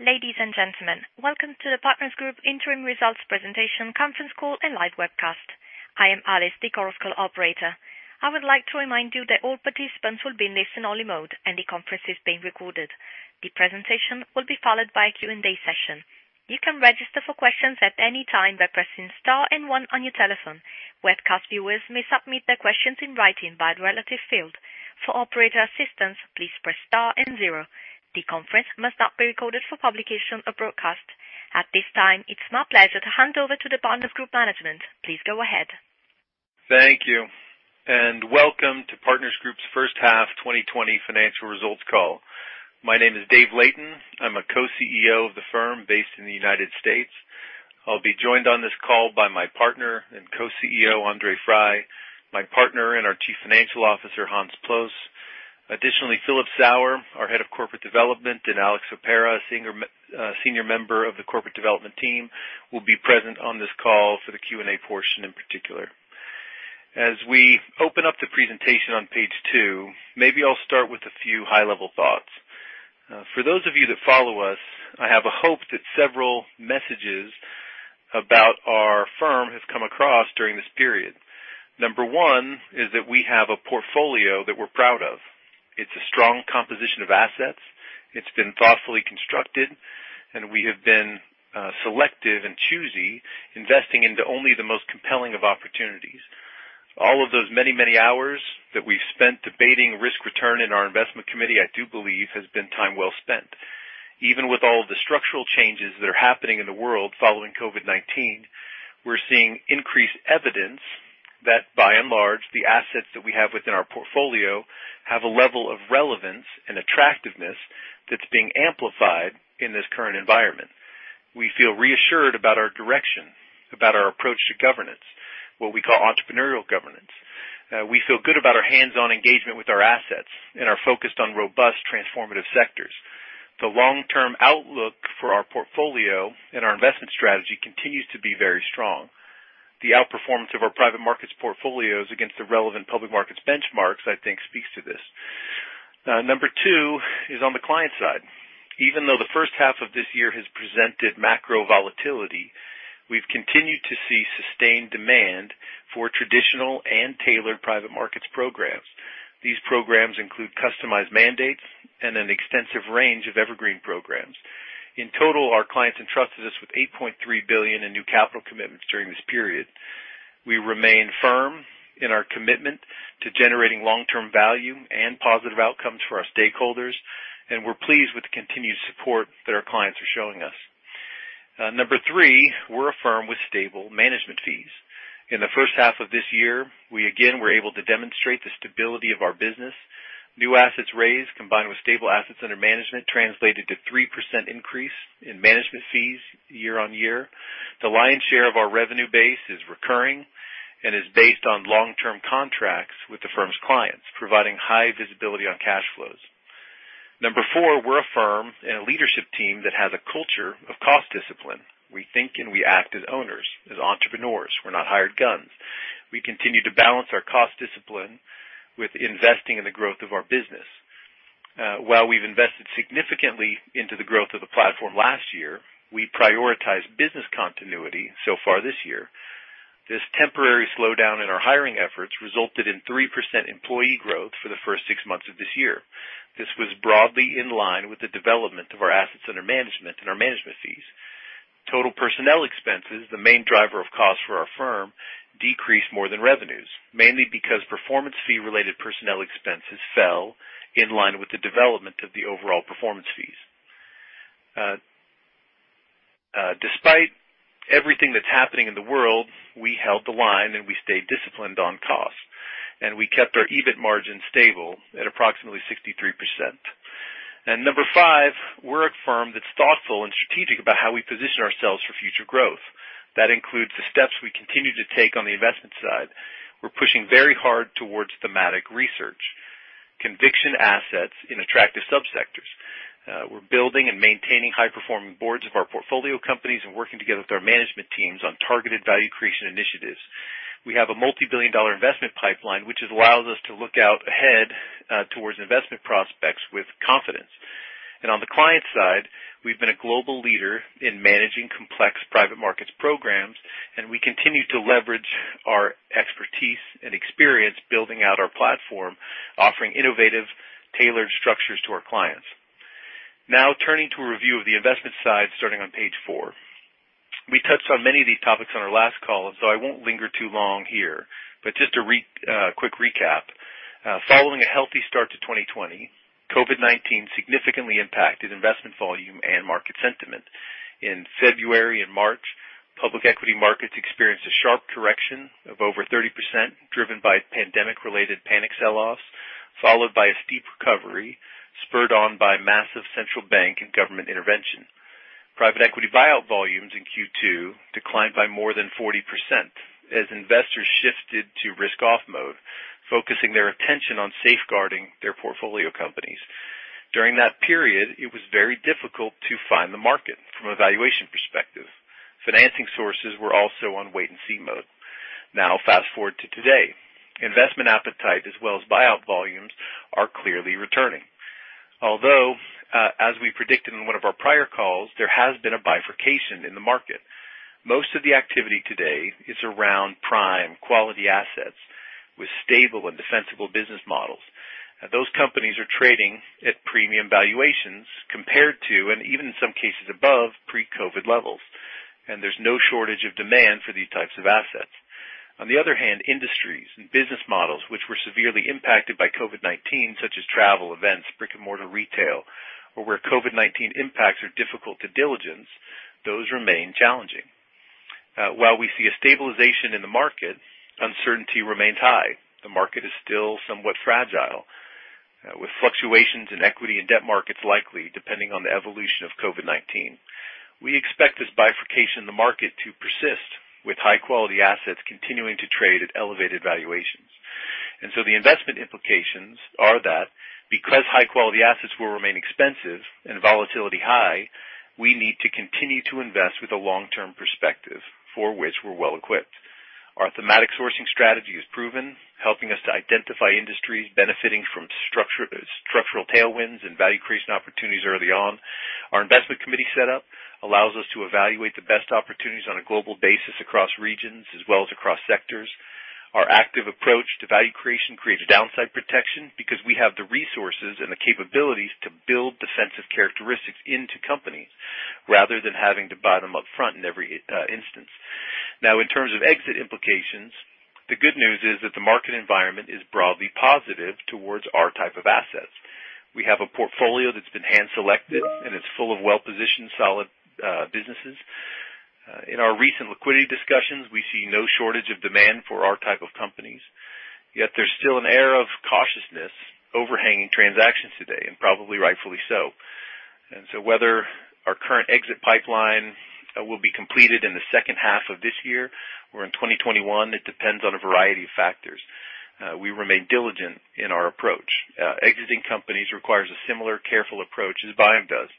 Ladies and gentlemen, welcome to the Partners Group Interim Results Presentation Conference Call and live webcast. I am Alice, the conference call operator. I would like to remind you that all participants will be in listen-only mode, and the conference is being recorded. The presentation will be followed by a Q&A session. You can register for questions at any time by pressing star and one on your telephone. Webcast viewers may submit their questions in writing via the relative field. For operator assistance, please press star and zero. The conference must not be recorded for publication or broadcast. At this time, it is my pleasure to hand over to the Partners Group management. Please go ahead. Thank you, and welcome to Partners Group's first-half 2020 financial results call. My name is Dave Layton. I'm a Co-CEO of the firm based in the United States. I'll be joined on this call by my partner and Co-CEO, André Frei, my partner and our Chief Financial Officer, Hans Ploos. Additionally, Philip Sauer, our Head of Corporate Development, and Alex Soppera, Senior Member of the corporate development team, will be present on this call for the Q&A portion in particular. As we open up the presentation on page two, maybe I'll start with a few high-level thoughts. For those of you that follow us, I have a hope that several messages about our firm have come across during this period. Number one is that we have a portfolio that we're proud of. It's a strong composition of assets. It's been thoughtfully constructed, and we have been selective and choosy, investing into only the most compelling of opportunities. All of those many, many hours that we've spent debating risk-return in our investment committee, I do believe, has been time well spent. Even with all the structural changes that are happening in the world following COVID-19, we're seeing increased evidence that by and large, the assets that we have within our portfolio have a level of relevance and attractiveness that's being amplified in this current environment. We feel reassured about our direction, about our approach to governance, what we call entrepreneurial governance. We feel good about our hands-on engagement with our assets, and are focused on robust transformative sectors. The long-term outlook for our portfolio and our investment strategy continues to be very strong. The outperformance of our private markets portfolios against the relevant public markets benchmarks, I think, speaks to this. Number two is on the client side. Even though the first half of this year has presented macro volatility, we've continued to see sustained demand for traditional and tailored private markets programs. These programs include customized mandates and an extensive range of evergreen programs. In total, our clients entrusted us with 8.3 billion in new capital commitments during this period. We remain firm in our commitment to generating long-term value and positive outcomes for our stakeholders, and we're pleased with the continued support that our clients are showing us. Number three, we're a firm with stable management fees. In the first half of this year, we again were able to demonstrate the stability of our business. New assets raised, combined with stable assets under management, translated to 3% increase in management fees year-on-year. The lion's share of our revenue base is recurring and is based on long-term contracts with the firm's clients, providing high visibility on cash flows. Number four, we're a firm and a leadership team that has a culture of cost discipline. We think and we act as owners, as entrepreneurs. We're not hired guns. We continue to balance our cost discipline with investing in the growth of our business. While we've invested significantly into the growth of the platform last year, we prioritized business continuity so far this year. This temporary slowdown in our hiring efforts resulted in 3% employee growth for the first six months of this year. This was broadly in line with the development of our assets under management and our management fees. Total personnel expenses, the main driver of cost for our firm, decreased more than revenues, mainly because performance fee-related personnel expenses fell in line with the development of the overall performance fees. Despite everything that's happening in the world, we held the line, and we stayed disciplined on cost, and we kept our EBIT margin stable at approximately 63%. Number five, we're a firm that's thoughtful and strategic about how we position ourselves for future growth. That includes the steps we continue to take on the investment side. We're pushing very hard towards thematic research, conviction assets in attractive sub-sectors. We're building and maintaining high-performing boards of our portfolio companies and working together with our management teams on targeted value creation initiatives. We have a multi-billion dollar investment pipeline, which allows us to look out ahead towards investment prospects with confidence. On the client side, we've been a global leader in managing complex private markets programs, and we continue to leverage our expertise and experience building out our platform, offering innovative, tailored structures to our clients. Turning to a review of the investment side, starting on page four. We touched on many of these topics on our last call, I won't linger too long here, but just a quick recap. Following a healthy start to 2020, COVID-19 significantly impacted investment volume and market sentiment. In February and March, public equity markets experienced a sharp correction of over 30%, driven by pandemic-related panic sell-offs, followed by a steep recovery spurred on by massive central bank and government intervention. Private equity buyout volumes in Q2 declined by more than 40% as investors shifted to risk-off mode, focusing their attention on safeguarding their portfolio companies. During that period, it was very difficult to find the market from a valuation perspective. Financing sources were also on wait-and-see mode. Now fast-forward to today. Investment appetite as well as buyout volumes are clearly returning. Although, as we predicted in one of our prior calls, there has been a bifurcation in the market. Most of the activity today is around prime quality assets with stable and defensible business models. Those companies are trading at premium valuations compared to, and even in some cases above, pre-COVID levels, and there's no shortage of demand for these types of assets. On the other hand, industries and business models which were severely impacted by COVID-19, such as travel, events, brick-and-mortar retail, or where COVID-19 impacts are difficult to diligence, those remain challenging. While we see a stabilization in the market, uncertainty remains high. The market is still somewhat fragile, with fluctuations in equity and debt markets likely depending on the evolution of COVID-19. We expect this bifurcation in the market to persist, with high-quality assets continuing to trade at elevated valuations. The investment implications are that because high-quality assets will remain expensive and volatility high, we need to continue to invest with a long-term perspective, for which we're well-equipped. Our thematic sourcing strategy is proven, helping us to identify industries benefiting from structural tailwinds and value creation opportunities early on. Our investment committee setup allows us to evaluate the best opportunities on a global basis across regions as well as across sectors. Our active approach to value creation creates a downside protection because we have the resources and the capabilities to build defensive characteristics into companies rather than having to buy them upfront in every instance. In terms of exit implications, the good news is that the market environment is broadly positive towards our type of assets. We have a portfolio that's been hand-selected, it's full of well-positioned, solid businesses. In our recent liquidity discussions, we see no shortage of demand for our type of companies. There's still an air of cautiousness overhanging transactions today, probably rightfully so. Whether our current exit pipeline will be completed in the second half of this year or in 2021, it depends on a variety of factors. We remain diligent in our approach. Exiting companies requires a similar careful approach as buying does.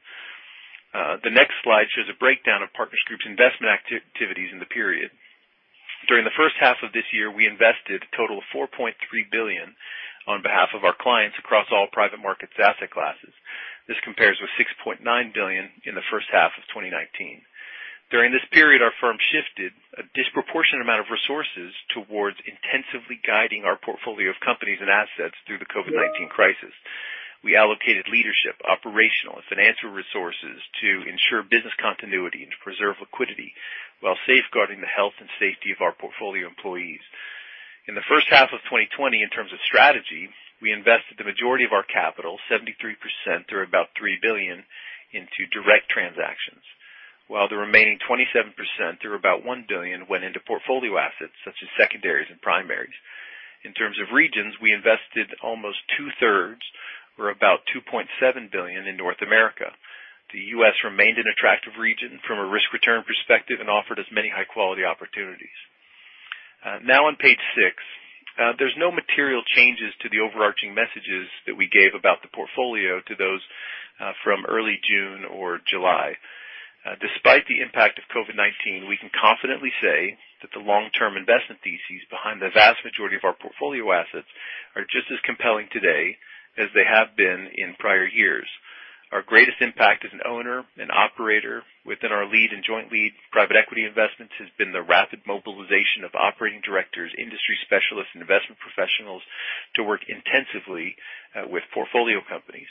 The next slide shows a breakdown of Partners Group's investment activities in the period. During the first half of this year, we invested a total of $4.3 billion on behalf of our clients across all private markets asset classes. This compares with $6.9 billion in the first half of 2019. During this period, our firm shifted a disproportionate amount of resources towards intensively guiding our portfolio of companies and assets through the COVID-19 crisis. We allocated leadership, operational, and financial resources to ensure business continuity and to preserve liquidity while safeguarding the health and safety of our portfolio employees. In the first half of 2020, in terms of strategy, we invested the majority of our capital, 73%, or about $3 billion, into direct transactions, while the remaining 27%, or about $1 billion, went into portfolio assets such as secondaries and primaries. In terms of regions, we invested almost two-thirds, or about $2.7 billion, in North America. The U.S. remained an attractive region from a risk-return perspective and offered us many high-quality opportunities. On page six. There's no material changes to the overarching messages that we gave about the portfolio to those from early June or July. Despite the impact of COVID-19, we can confidently say that the long-term investment theses behind the vast majority of our portfolio assets are just as compelling today as they have been in prior years. Our greatest impact as an owner and operator within our lead and joint lead private equity investments has been the rapid mobilization of operating directors, industry specialists, and investment professionals to work intensively with portfolio companies.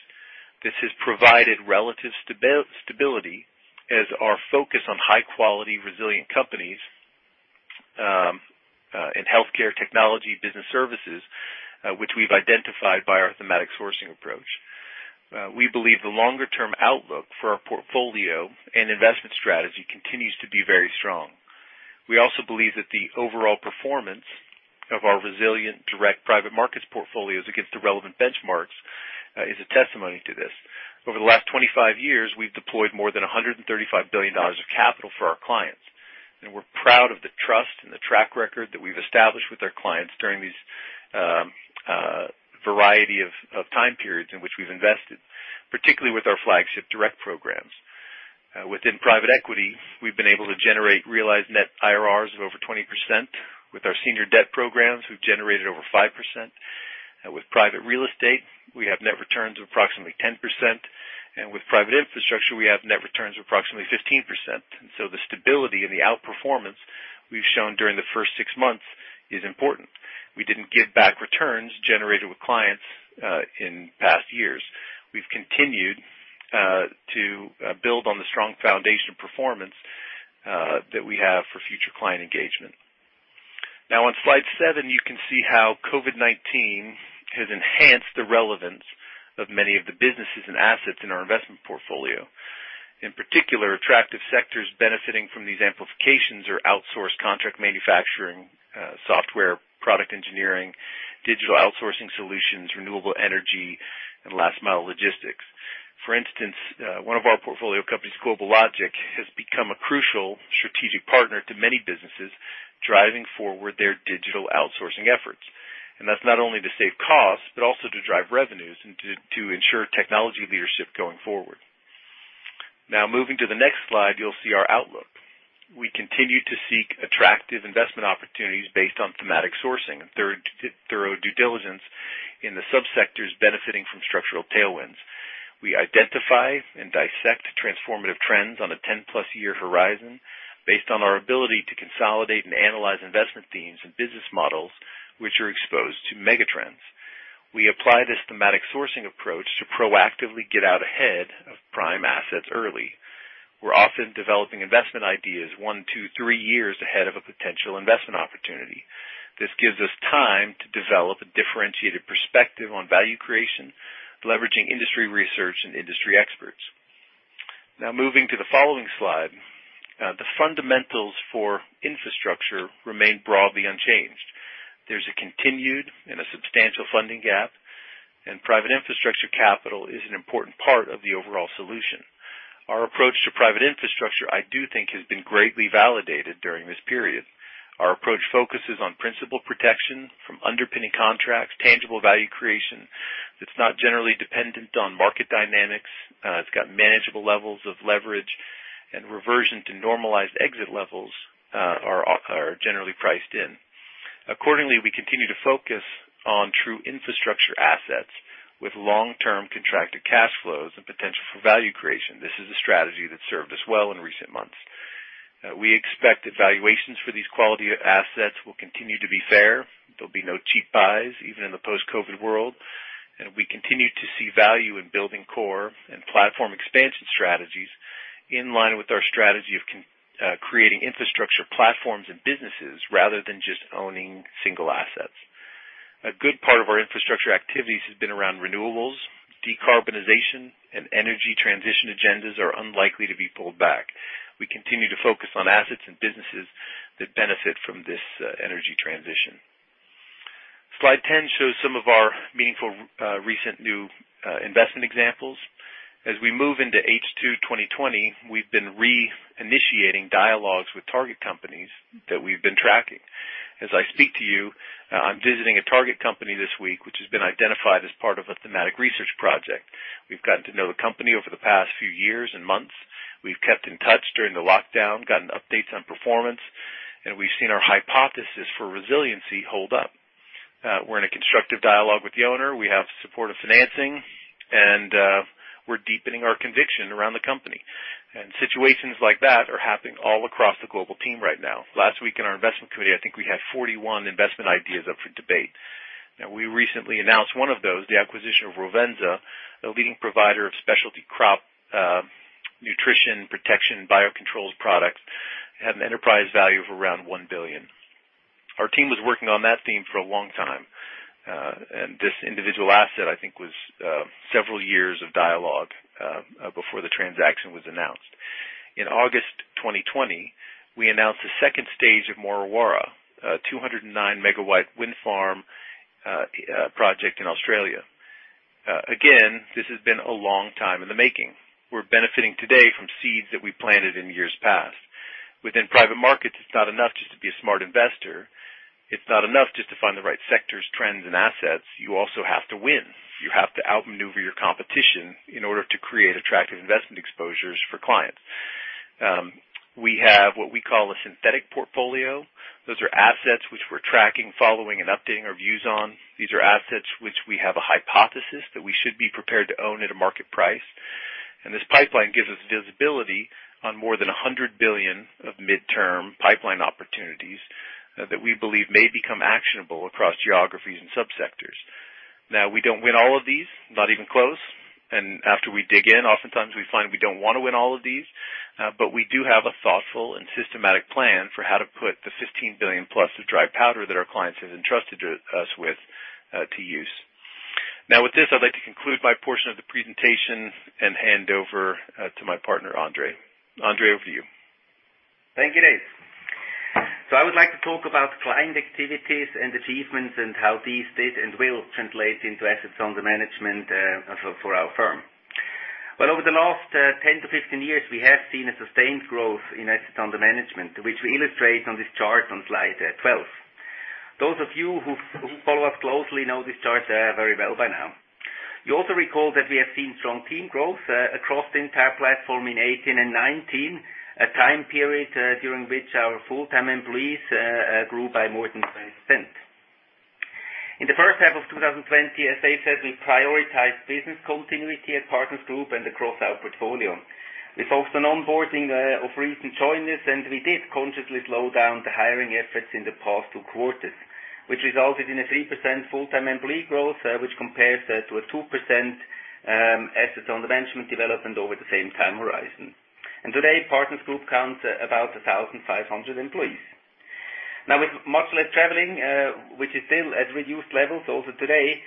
This has provided relative stability as our focus on high-quality, resilient companies in healthcare, technology, business services, which we've identified by our thematic sourcing approach. We believe the longer-term outlook for our portfolio and investment strategy continues to be very strong. We also believe that the overall performance of our resilient direct private markets portfolios against the relevant benchmarks is a testimony to this. Over the last 25 years, we've deployed more than CHF 135 billion of capital for our clients. We're proud of the trust and the track record that we've established with our clients during these variety of time periods in which we've invested, particularly with our flagship direct programs. Within private equity, we've been able to generate realized net IRRs of over 20%. With our senior debt programs, we've generated over 5%. With private real estate, we have net returns of approximately 10%, and with private infrastructure, we have net returns of approximately 15%. The stability and the outperformance we've shown during the first six months is important. We didn't give back returns generated with clients in past years. We've continued to build on the strong foundation of performance that we have for future client engagement. On slide seven, you can see how COVID-19 has enhanced the relevance of many of the businesses and assets in our investment portfolio. In particular, attractive sectors benefiting from these amplifications are outsourced contract manufacturing, software, product engineering, digital outsourcing solutions, renewable energy, and last-mile logistics. For instance, one of our portfolio companies, GlobalLogic, has become a crucial strategic partner to many businesses, driving forward their digital outsourcing efforts. That's not only to save costs, but also to drive revenues and to ensure technology leadership going forward. Moving to the next slide, you'll see our outlook. We continue to seek attractive investment opportunities based on thematic sourcing and thorough due diligence in the sub-sectors benefiting from structural tailwinds. We identify and dissect transformative trends on a 10+ year horizon based on our ability to consolidate and analyze investment themes and business models which are exposed to megatrends. We apply this thematic sourcing approach to proactively get out ahead of prime assets early. We're often developing investment ideas one to three years ahead of a potential investment opportunity. This gives us time to develop a differentiated perspective on value creation, leveraging industry research and industry experts. Now moving to the following slide. The fundamentals for infrastructure remain broadly unchanged. There's a continued and a substantial funding gap, and private infrastructure capital is an important part of the overall solution. Our approach to private infrastructure, I do think, has been greatly validated during this period. Our approach focuses on principal protection from underpinning contracts, tangible value creation that's not generally dependent on market dynamics. It's got manageable levels of leverage, and reversion to normalized exit levels are generally priced in. Accordingly, we continue to focus on true infrastructure assets with long-term contracted cash flows and potential for value creation. This is a strategy that served us well in recent months. We expect that valuations for these quality assets will continue to be fair. There'll be no cheap buys, even in the post-COVID world, and we continue to see value in building core and platform expansion strategies in line with our strategy of creating infrastructure platforms and businesses rather than just owning single assets. A good part of our infrastructure activities has been around renewables. Decarbonization and energy transition agendas are unlikely to be pulled back. We continue to focus on assets and businesses that benefit from this energy transition. Slide 10 shows some of our meaningful recent new investment examples. As we move into H2 2020, we've been re-initiating dialogues with target companies that we've been tracking. As I speak to you, I'm visiting a target company this week, which has been identified as part of a thematic research project. We've gotten to know the company over the past few years and months. We've kept in touch during the lockdown, gotten updates on performance, and we've seen our hypothesis for resiliency hold up. We're in a constructive dialogue with the owner. We have supportive financing, and we're deepening our conviction around the company. Situations like that are happening all across the global team right now. Last week in our investment committee, I think we had 41 investment ideas up for debate. We recently announced one of those, the acquisition of Rovensa, a leading provider of specialty crop nutrition protection biocontrols products. Had an enterprise value of around 1 billion. Our team was working on that theme for a long time. This individual asset, I think, was several years of dialogue before the transaction was announced. In August 2020, we announced the second stage of Murra Warra, a 209 MW wind farm project in Australia. Again, this has been a long time in the making. We're benefiting today from seeds that we planted in years past. Within private markets, it's not enough just to be a smart investor. It's not enough just to find the right sectors, trends, and assets. You also have to win. You have to outmaneuver your competition in order to create attractive investment exposures for clients. We have what we call a synthetic portfolio. Those are assets which we're tracking, following, and updating our views on. These are assets which we have a hypothesis that we should be prepared to own at a market price. This pipeline gives us visibility on more than 100 billion of midterm pipeline opportunities that we believe may become actionable across geographies and sub-sectors. Now, we don't win all of these, not even close. After we dig in, oftentimes we find we don't want to win all of these. We do have a thoughtful and systematic plan for how to put the 15 billion-plus of dry powder that our clients have entrusted us with to use. Now with this, I'd like to conclude my portion of the presentation and hand over to my partner, André. André, over to you. Thank you, Dave. I would like to talk about client activities and achievements and how these did and will translate into assets under management for our firm. Well, over the last 10 to 15 years, we have seen a sustained growth in assets under management, which we illustrate on this chart on slide 12. Those of you who follow us closely know this chart very well by now. You also recall that we have seen strong team growth across the entire platform in 2018 and 2019, a time period during which our full-time employees grew by more than 20%. In the first half of 2020, as Dave said, we prioritized business continuity at Partners Group and across our portfolio. We focused on onboarding of recent joiners. We did consciously slow down the hiring efforts in the past two quarters, which resulted in a 3% full-time employee growth, which compares to a 2% assets under management development over the same time horizon. Today, Partners Group counts about 1,500 employees. Now with much less traveling, which is still at reduced levels also today,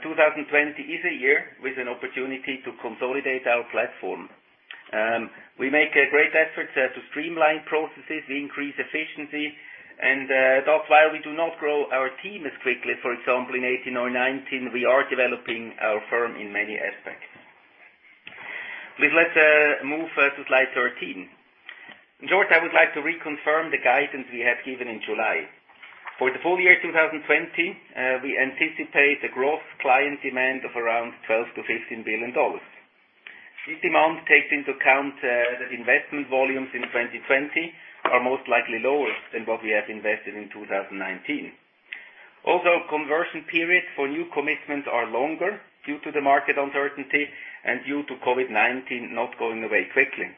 2020 is a year with an opportunity to consolidate our platform. We make a great effort to streamline processes, increase efficiency. Thus, while we do not grow our team as quickly, for example, in 2018 or 2019, we are developing our firm in many aspects. Please let's move to slide 13, [George]. I would like to reconfirm the guidance we have given in July. For the full year 2020, we anticipate a gross client demand of around $12 billion-$15 billion. This demand takes into account that investment volumes in 2020 are most likely lower than what we have invested in 2019. Conversion periods for new commitments are longer due to the market uncertainty and due to COVID-19 not going away quickly.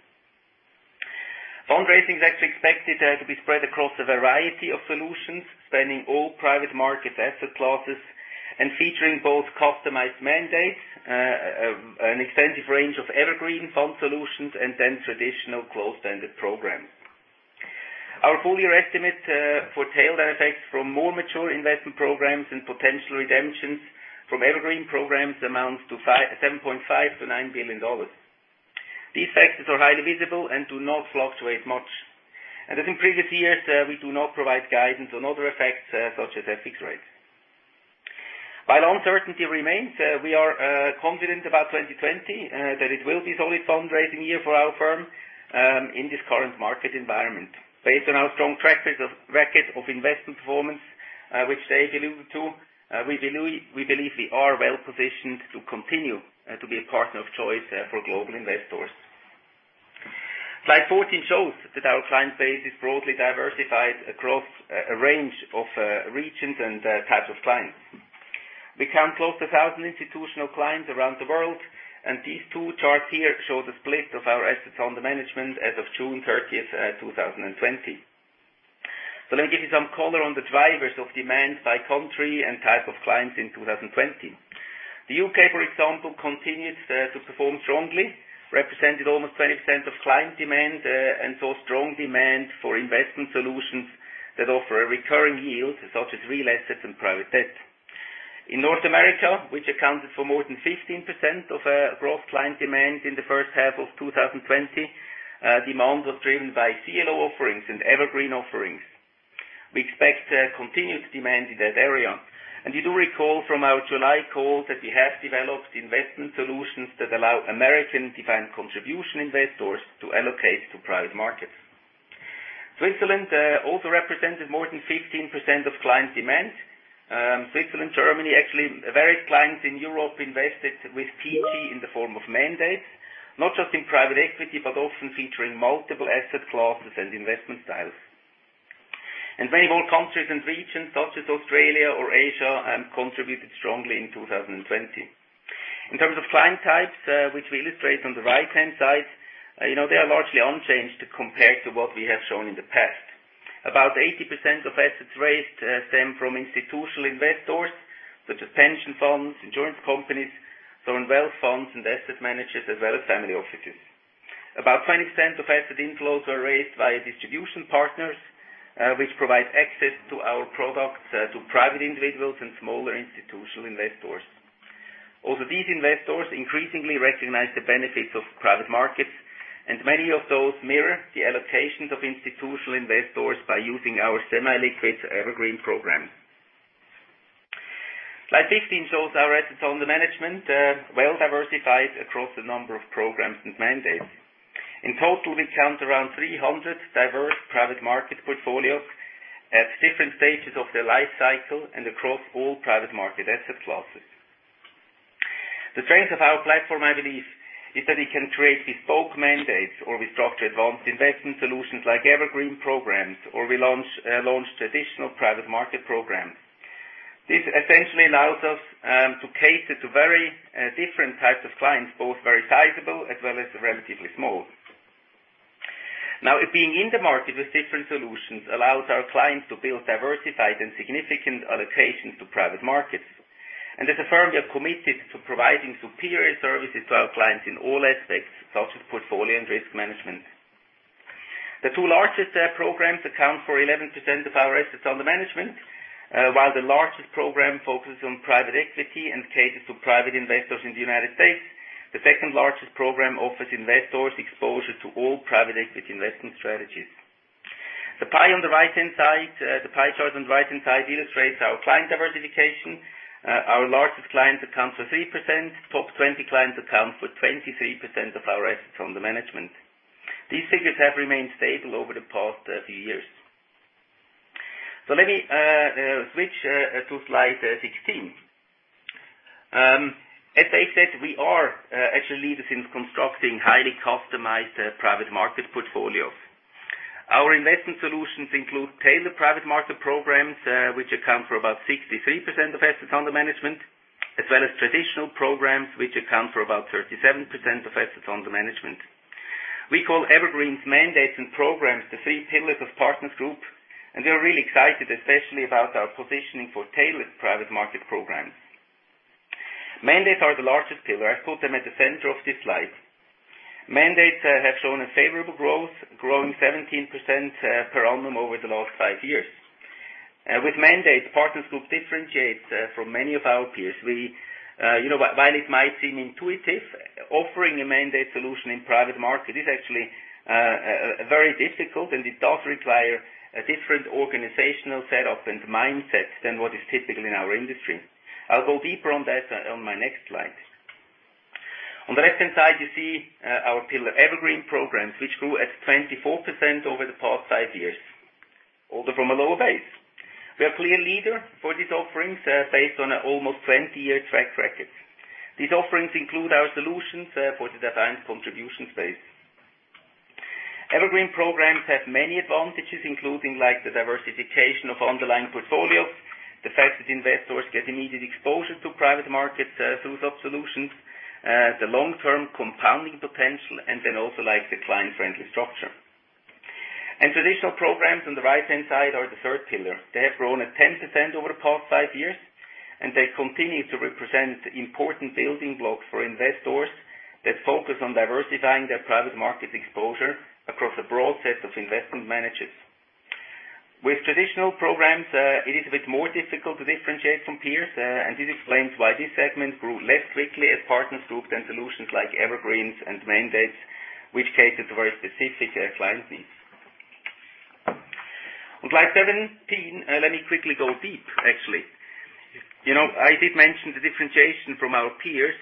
Fundraising is actually expected to be spread across a variety of solutions, spanning all private market asset classes, and featuring both customized mandates, an extensive range of Evergreen fund solutions, traditional closed-ended programs. Our full-year estimate for tail effects from more mature investment programs and potential redemptions from Evergreen programs amounts to CHF 7.5 billion-CHF 9 billion. These factors are highly visible and do not fluctuate much. As in previous years, we do not provide guidance on other effects such as FX rates. While uncertainty remains, we are confident about 2020, that it will be solid fundraising year for our firm in this current market environment. Based on our strong track record of investment performance, which they allude to, we believe we are well-positioned to continue to be a partner of choice for global investors. Slide 14 shows that our client base is broadly diversified across a range of regions and types of clients. We count close to 1,000 institutional clients around the world, and these two charts here show the split of our assets under management as of June 30th, 2020. Let me give you some color on the drivers of demand by country and type of clients in 2020. The U.K., for example, continued to perform strongly, represented almost 20% of client demand, and saw strong demand for investment solutions that offer a recurring yield, such as real assets and private debt. In North America, which accounted for more than 15% of gross client demand in the first half of 2020, demand was driven by CLO offerings and Evergreen offerings. We expect continued demand in that area. You do recall from our July call that we have developed investment solutions that allow American defined contribution investors to allocate to private markets. Switzerland also represented more than 15% of client demand. Switzerland, Germany, actually, various clients in Europe invested with PG in the form of mandates, not just in private equity, but often featuring multiple asset classes and investment styles. Many more countries and regions, such as Australia or Asia, contributed strongly in 2020. In terms of client types, which we illustrate on the right-hand side, they are largely unchanged compared to what we have shown in the past. About 80% of assets raised stem from institutional investors, such as pension funds, insurance companies, certain wealth funds and asset managers, as well as family offices. About 20% of asset inflows are raised via distribution partners, which provide access to our products to private individuals and smaller institutional investors. Also, these investors increasingly recognize the benefits of private markets, and many of those mirror the allocations of institutional investors by using our semi-liquid Evergreen program. Slide 15 shows our assets under management, well diversified across a number of programs and mandates. In total, we count around 300 diverse private market portfolios at different stages of their life cycle and across all private market asset classes. The strength of our platform, I believe, is that it can create bespoke mandates or we structure advanced investment solutions like Evergreen programs, or we launch traditional private market programs. This essentially allows us to cater to very different types of clients, both very sizable as well as relatively small. Being in the market with different solutions allows our clients to build diversified and significant allocations to private markets. As a firm, we are committed to providing superior services to our clients in all aspects, such as portfolio and risk management. The two largest programs account for 11% of our assets under management. While the largest program focuses on private equity and caters to private investors in the United States, the second-largest program offers investors exposure to all private equity investment strategies. The pie chart on the right-hand side illustrates our client diversification. Our largest clients account for 3%. Top 20 clients account for 23% of our assets under management. These figures have remained stable over the past few years. Let me switch to slide 16. As I said, we are actually leaders in constructing highly customized private market portfolios. Our investment solutions include tailored private market programs, which account for about 63% of assets under management, as well as traditional programs, which account for about 37% of assets under management. We call Evergreens mandates and programs the three pillars of Partners Group, and we are really excited, especially about our positioning for tailored private market programs. Mandates are the largest pillar. I put them at the center of this slide. Mandates have shown a favorable growth, growing 17% per annum over the last five years. With mandates, Partners Group differentiates from many of our peers. While it might seem intuitive, offering a mandate solution in private market is actually very difficult, and it does require a different organizational set-up and mindset than what is typical in our industry. I'll go deeper on that on my next slide. On the left-hand side, you see our pillar Evergreen Programs, which grew at 24% over the past five years, although from a lower base. We are a clear leader for these offerings based on an almost 20-year track record. These offerings include our solutions for the defined contribution space. Evergreen Programs have many advantages, including the diversification of underlying portfolios, the fact that investors get immediate exposure to private markets through sub-solutions, the long-term compounding potential, and then also the client-friendly structure. Traditional programs on the right-hand side are the third pillar. They have grown at 10% over the past five years, and they continue to represent important building blocks for investors that focus on diversifying their private market exposure across a broad set of investment managers. With traditional programs, it is a bit more difficult to differentiate from peers, and this explains why this segment grew less quickly as Partners Group than solutions like Evergreens and mandates, which catered to very specific client needs. On slide 17, let me quickly go deep, actually. I did mention the differentiation from our peers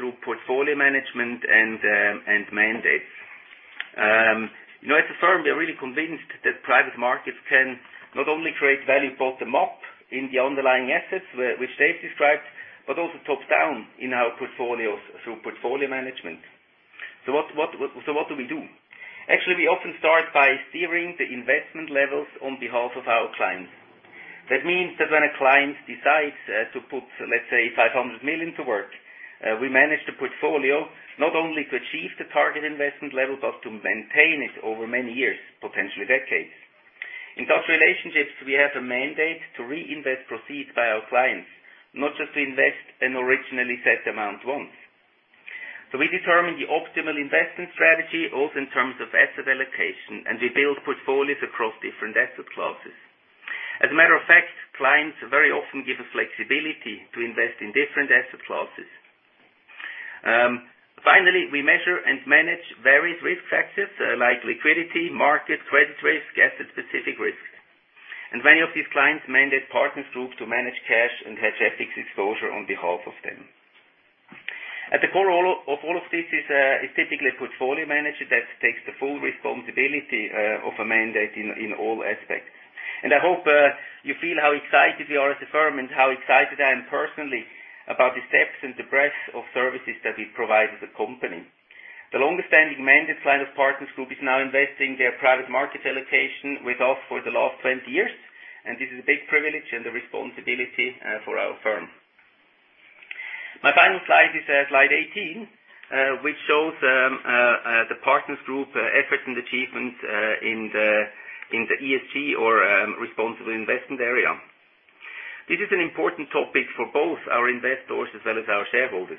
through portfolio management and mandates. As a firm, we are really convinced that private markets can not only create value bottom-up in the underlying assets, which Dave described, but also top-down in our portfolios through portfolio management. What do we do? Actually, we often start by steering the investment levels on behalf of our clients. That means that when a client decides to put, let's say, 500 million to work, we manage the portfolio not only to achieve the target investment level, but to maintain it over many years, potentially decades. In such relationships, we have a mandate to reinvest proceeds by our clients, not just to invest an originally set amount once. We determine the optimal investment strategy, also in terms of asset allocation, and we build portfolios across different asset classes. As a matter of fact, clients very often give us flexibility to invest in different asset classes. Finally, we measure and manage various risk factors like liquidity, market, credit risk, asset-specific risks. Many of these clients mandate Partners Group to manage cash and hedge FX exposure on behalf of them. At the core of all of this is typically a portfolio manager that takes the full responsibility of a mandate in all aspects. I hope you feel how excited we are as a firm and how excited I am personally about the steps and the breadth of services that we provide as a company. The longest-standing mandate client of Partners Group is now investing their private market allocation with us for the last 20 years, and this is a big privilege and a responsibility for our firm. My final slide is slide 18, which shows the Partners Group effort and achievement in the ESG or responsible investment area. This is an important topic for both our investors as well as our shareholders.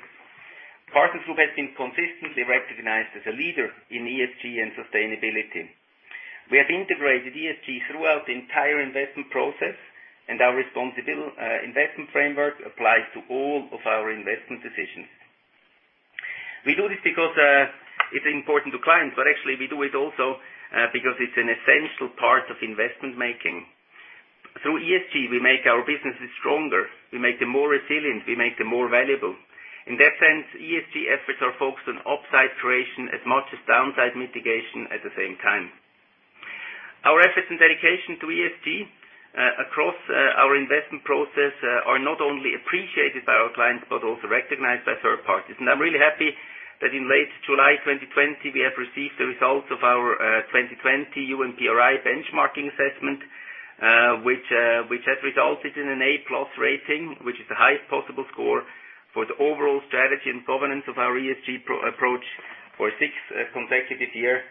Partners Group has been consistently recognized as a leader in ESG and sustainability. We have integrated ESG throughout the entire investment process, and our responsible investment framework applies to all of our investment decisions. We do this because it's important to clients, but actually we do it also because it's an essential part of investment making. Through ESG, we make our businesses stronger. We make them more resilient. We make them more valuable. In that sense, ESG efforts are focused on upside creation as much as downside mitigation at the same time. Our efforts and dedication to ESG across our investment process are not only appreciated by our clients, but also recognized by third parties. I'm really happy that in late July 2020, we have received the results of our 2020 UN PRI benchmarking assessment, which has resulted in an A+ rating, which is the highest possible score for the overall strategy and governance of our ESG approach for the sixth consecutive year,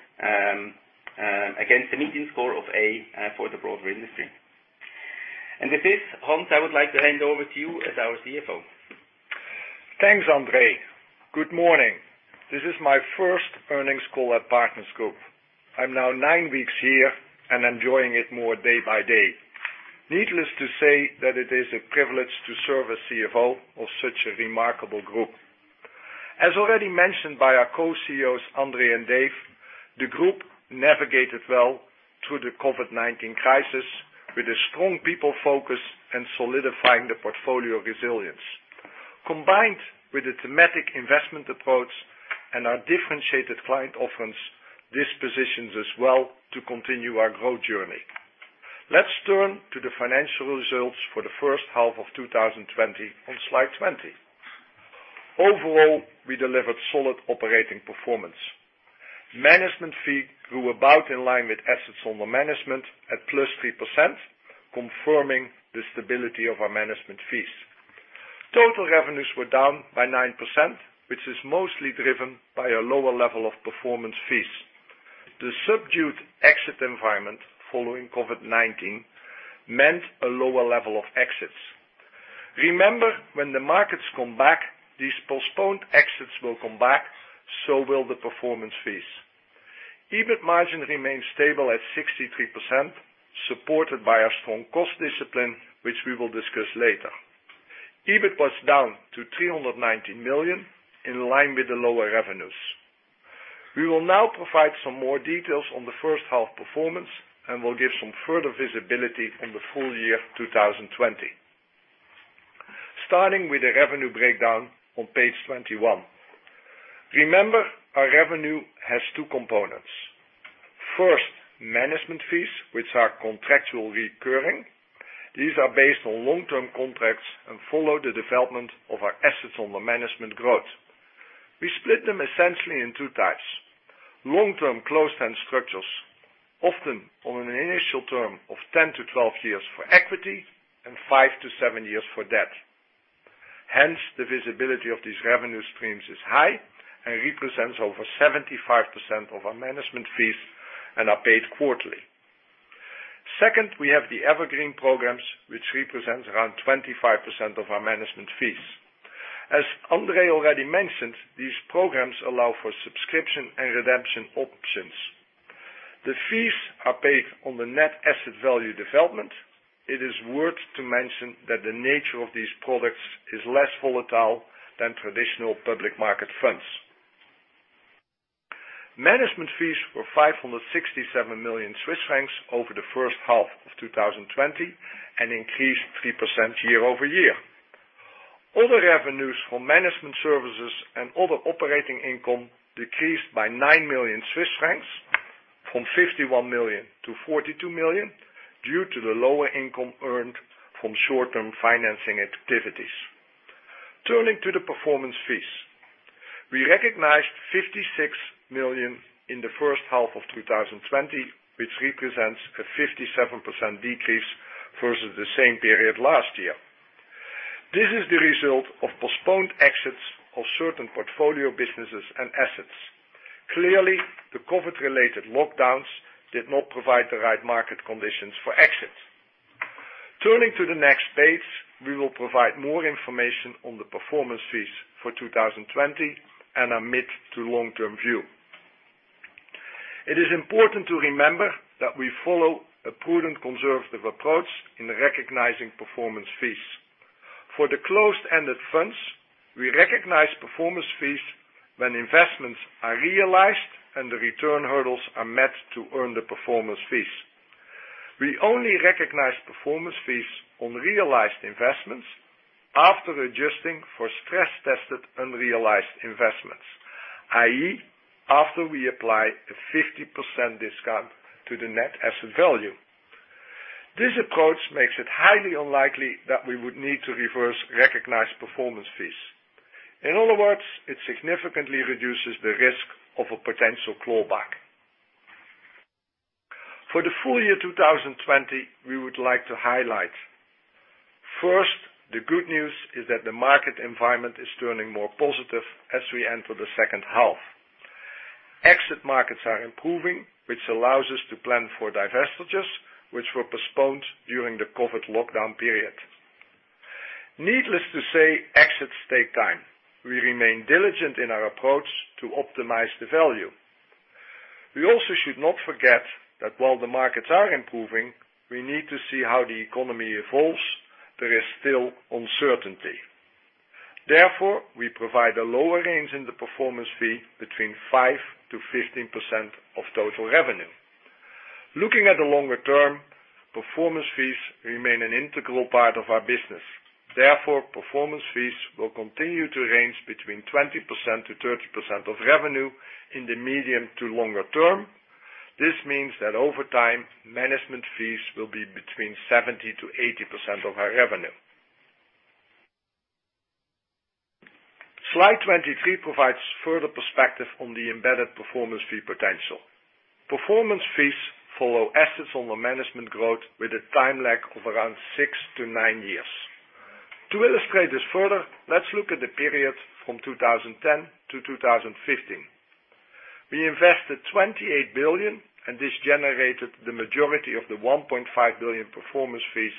against a median score of A for the broader industry. With this, Hans, I would like to hand over to you as our CFO. Thanks, André. Good morning. This is my first earnings call at Partners Group. I'm now nine weeks here and enjoying it more day by day. Needless to say that it is a privilege to serve as CFO of such a remarkable group. As already mentioned by our co-CEOs, André and Dave, the group navigated well through the COVID-19 crisis with a strong people focus and solidifying the portfolio resilience. Combined with a thematic investment approach and our differentiated client offerings, this positions us well to continue our growth journey. Let's turn to the financial results for the first half of 2020 on slide 20. Overall, we delivered solid operating performance. Management fee grew about in line with assets under management at +3%, confirming the stability of our management fees. Total revenues were down by 9%, which is mostly driven by a lower level of performance fees. The subdued exit environment following COVID-19 meant a lower level of exits. Remember, when the markets come back, these postponed exits will come back, so will the performance fees. EBIT margin remains stable at 63%, supported by our strong cost discipline, which we will discuss later. EBIT was down to 319 million, in line with the lower revenues. We will now provide some more details on the first half performance and will give some further visibility on the full year 2020. Starting with the revenue breakdown on page 21. Remember, our revenue has two components. First, management fees, which are contractual recurring. These are based on long-term contracts and follow the development of our assets under management growth. We split them essentially in two types, long-term closed-end structures, often on an initial term of 10-12 years for equity and five to seven years for debt. The visibility of these revenue streams is high and represents over 75% of our management fees and are paid quarterly. We have the Evergreen programs, which represents around 25% of our management fees. As André already mentioned, these programs allow for subscription and redemption options. The fees are paid on the net asset value development. It is worth to mention that the nature of these products is less volatile than traditional public market funds. Management fees were 567 million Swiss francs over the first half of 2020 and increased 3% year-over-year. Other revenues from management services and other operating income decreased by 9 million Swiss francs from 51 million to 42 million, due to the lower income earned from short-term financing activities. Turning to the performance fees. We recognized 56 million in the first half of 2020, which represents a 57% decrease versus the same period last year. This is the result of postponed exits of certain portfolio businesses and assets. Clearly, the COVID-related lockdowns did not provide the right market conditions for exits. Turning to the next page, we will provide more information on the performance fees for 2020 and our mid to long-term view. It is important to remember that we follow a prudent conservative approach in recognizing performance fees. For the closed-ended funds, we recognize performance fees when investments are realized and the return hurdles are met to earn the performance fees. We only recognize performance fees on realized investments after adjusting for stress-tested unrealized investments, i.e., after we apply a 50% discount to the net asset value. This approach makes it highly unlikely that we would need to reverse recognize performance fees. In other words, it significantly reduces the risk of a potential clawback. For the full year 2020, we would like to highlight first, the good news is that the market environment is turning more positive as we enter the second half. Exit markets are improving, which allows us to plan for divestitures, which were postponed during the COVID-19 lockdown period. Needless to say, exits take time. We remain diligent in our approach to optimize the value. We also should not forget that while the markets are improving, we need to see how the economy evolves. There is still uncertainty. Therefore, we provide a lower range in the performance fee between 5%-15% of total revenue. Looking at the longer term, performance fees remain an integral part of our business. Therefore, performance fees will continue to range between 20%-30% of revenue in the medium to longer term. This means that over time, management fees will be between 70%-80% of our revenue. Slide 23 provides further perspective on the embedded performance fee potential. Performance fees follow assets under management growth with a time lag of around six to nine years. To illustrate this further, let's look at the period from 2010-2015. We invested 28 billion. This generated the majority of the 1.5 billion performance fees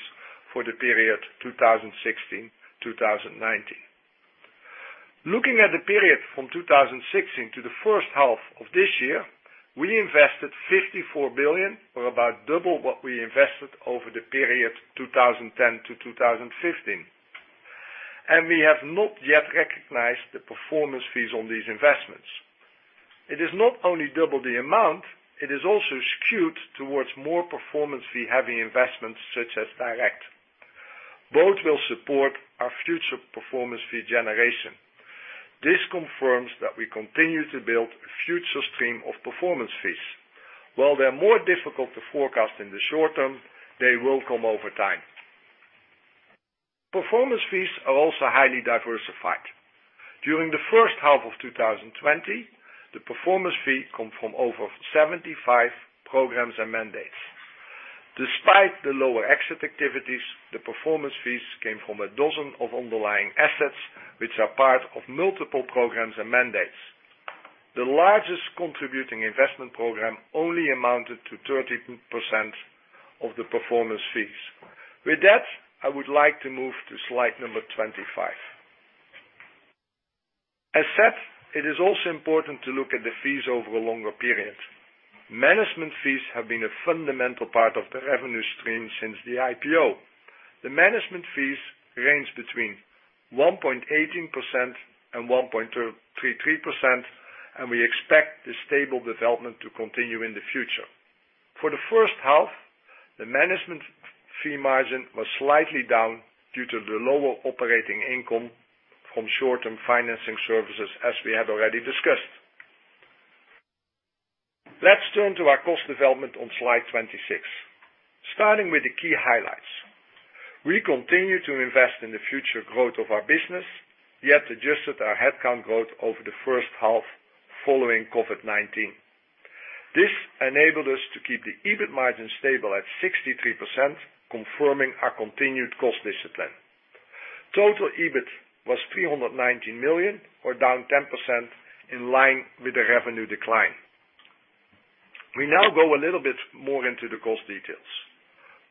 for the period 2016-2019. Looking at the period from 2016 to H1 2020, we invested 54 billion or about double what we invested over the period 2010-2015. We have not yet recognized the performance fees on these investments. It is not only double the amount, it is also skewed towards more performance fee-heavy investments, such as direct. Both will support our future performance fee generation. This confirms that we continue to build a future stream of performance fees. While they're more difficult to forecast in the short term, they will come over time. Performance fees are also highly diversified. During the first half of 2020, the performance fee came from over 75 programs and mandates. Despite the lower exit activities, the performance fees came from a dozen of underlying assets, which are part of multiple programs and mandates. The largest contributing investment program only amounted to 30% of the performance fees. With that, I would like to move to slide number 25. As said, it is also important to look at the fees over a longer period. Management fees have been a fundamental part of the revenue stream since the IPO. The management fees range between 1.18% and 1.33%. We expect this stable development to continue in the future. For the first half, the management fee margin was slightly down due to the lower operating income from short-term financing services, as we have already discussed. Let's turn to our cost development on slide 26. Starting with the key highlights. We continue to invest in the future growth of our business, yet adjusted our headcount growth over the first half following COVID-19. This enabled us to keep the EBIT margin stable at 63%, confirming our continued cost discipline. Total EBIT was 319 million, or down 10%, in line with the revenue decline. We now go a little bit more into the cost details.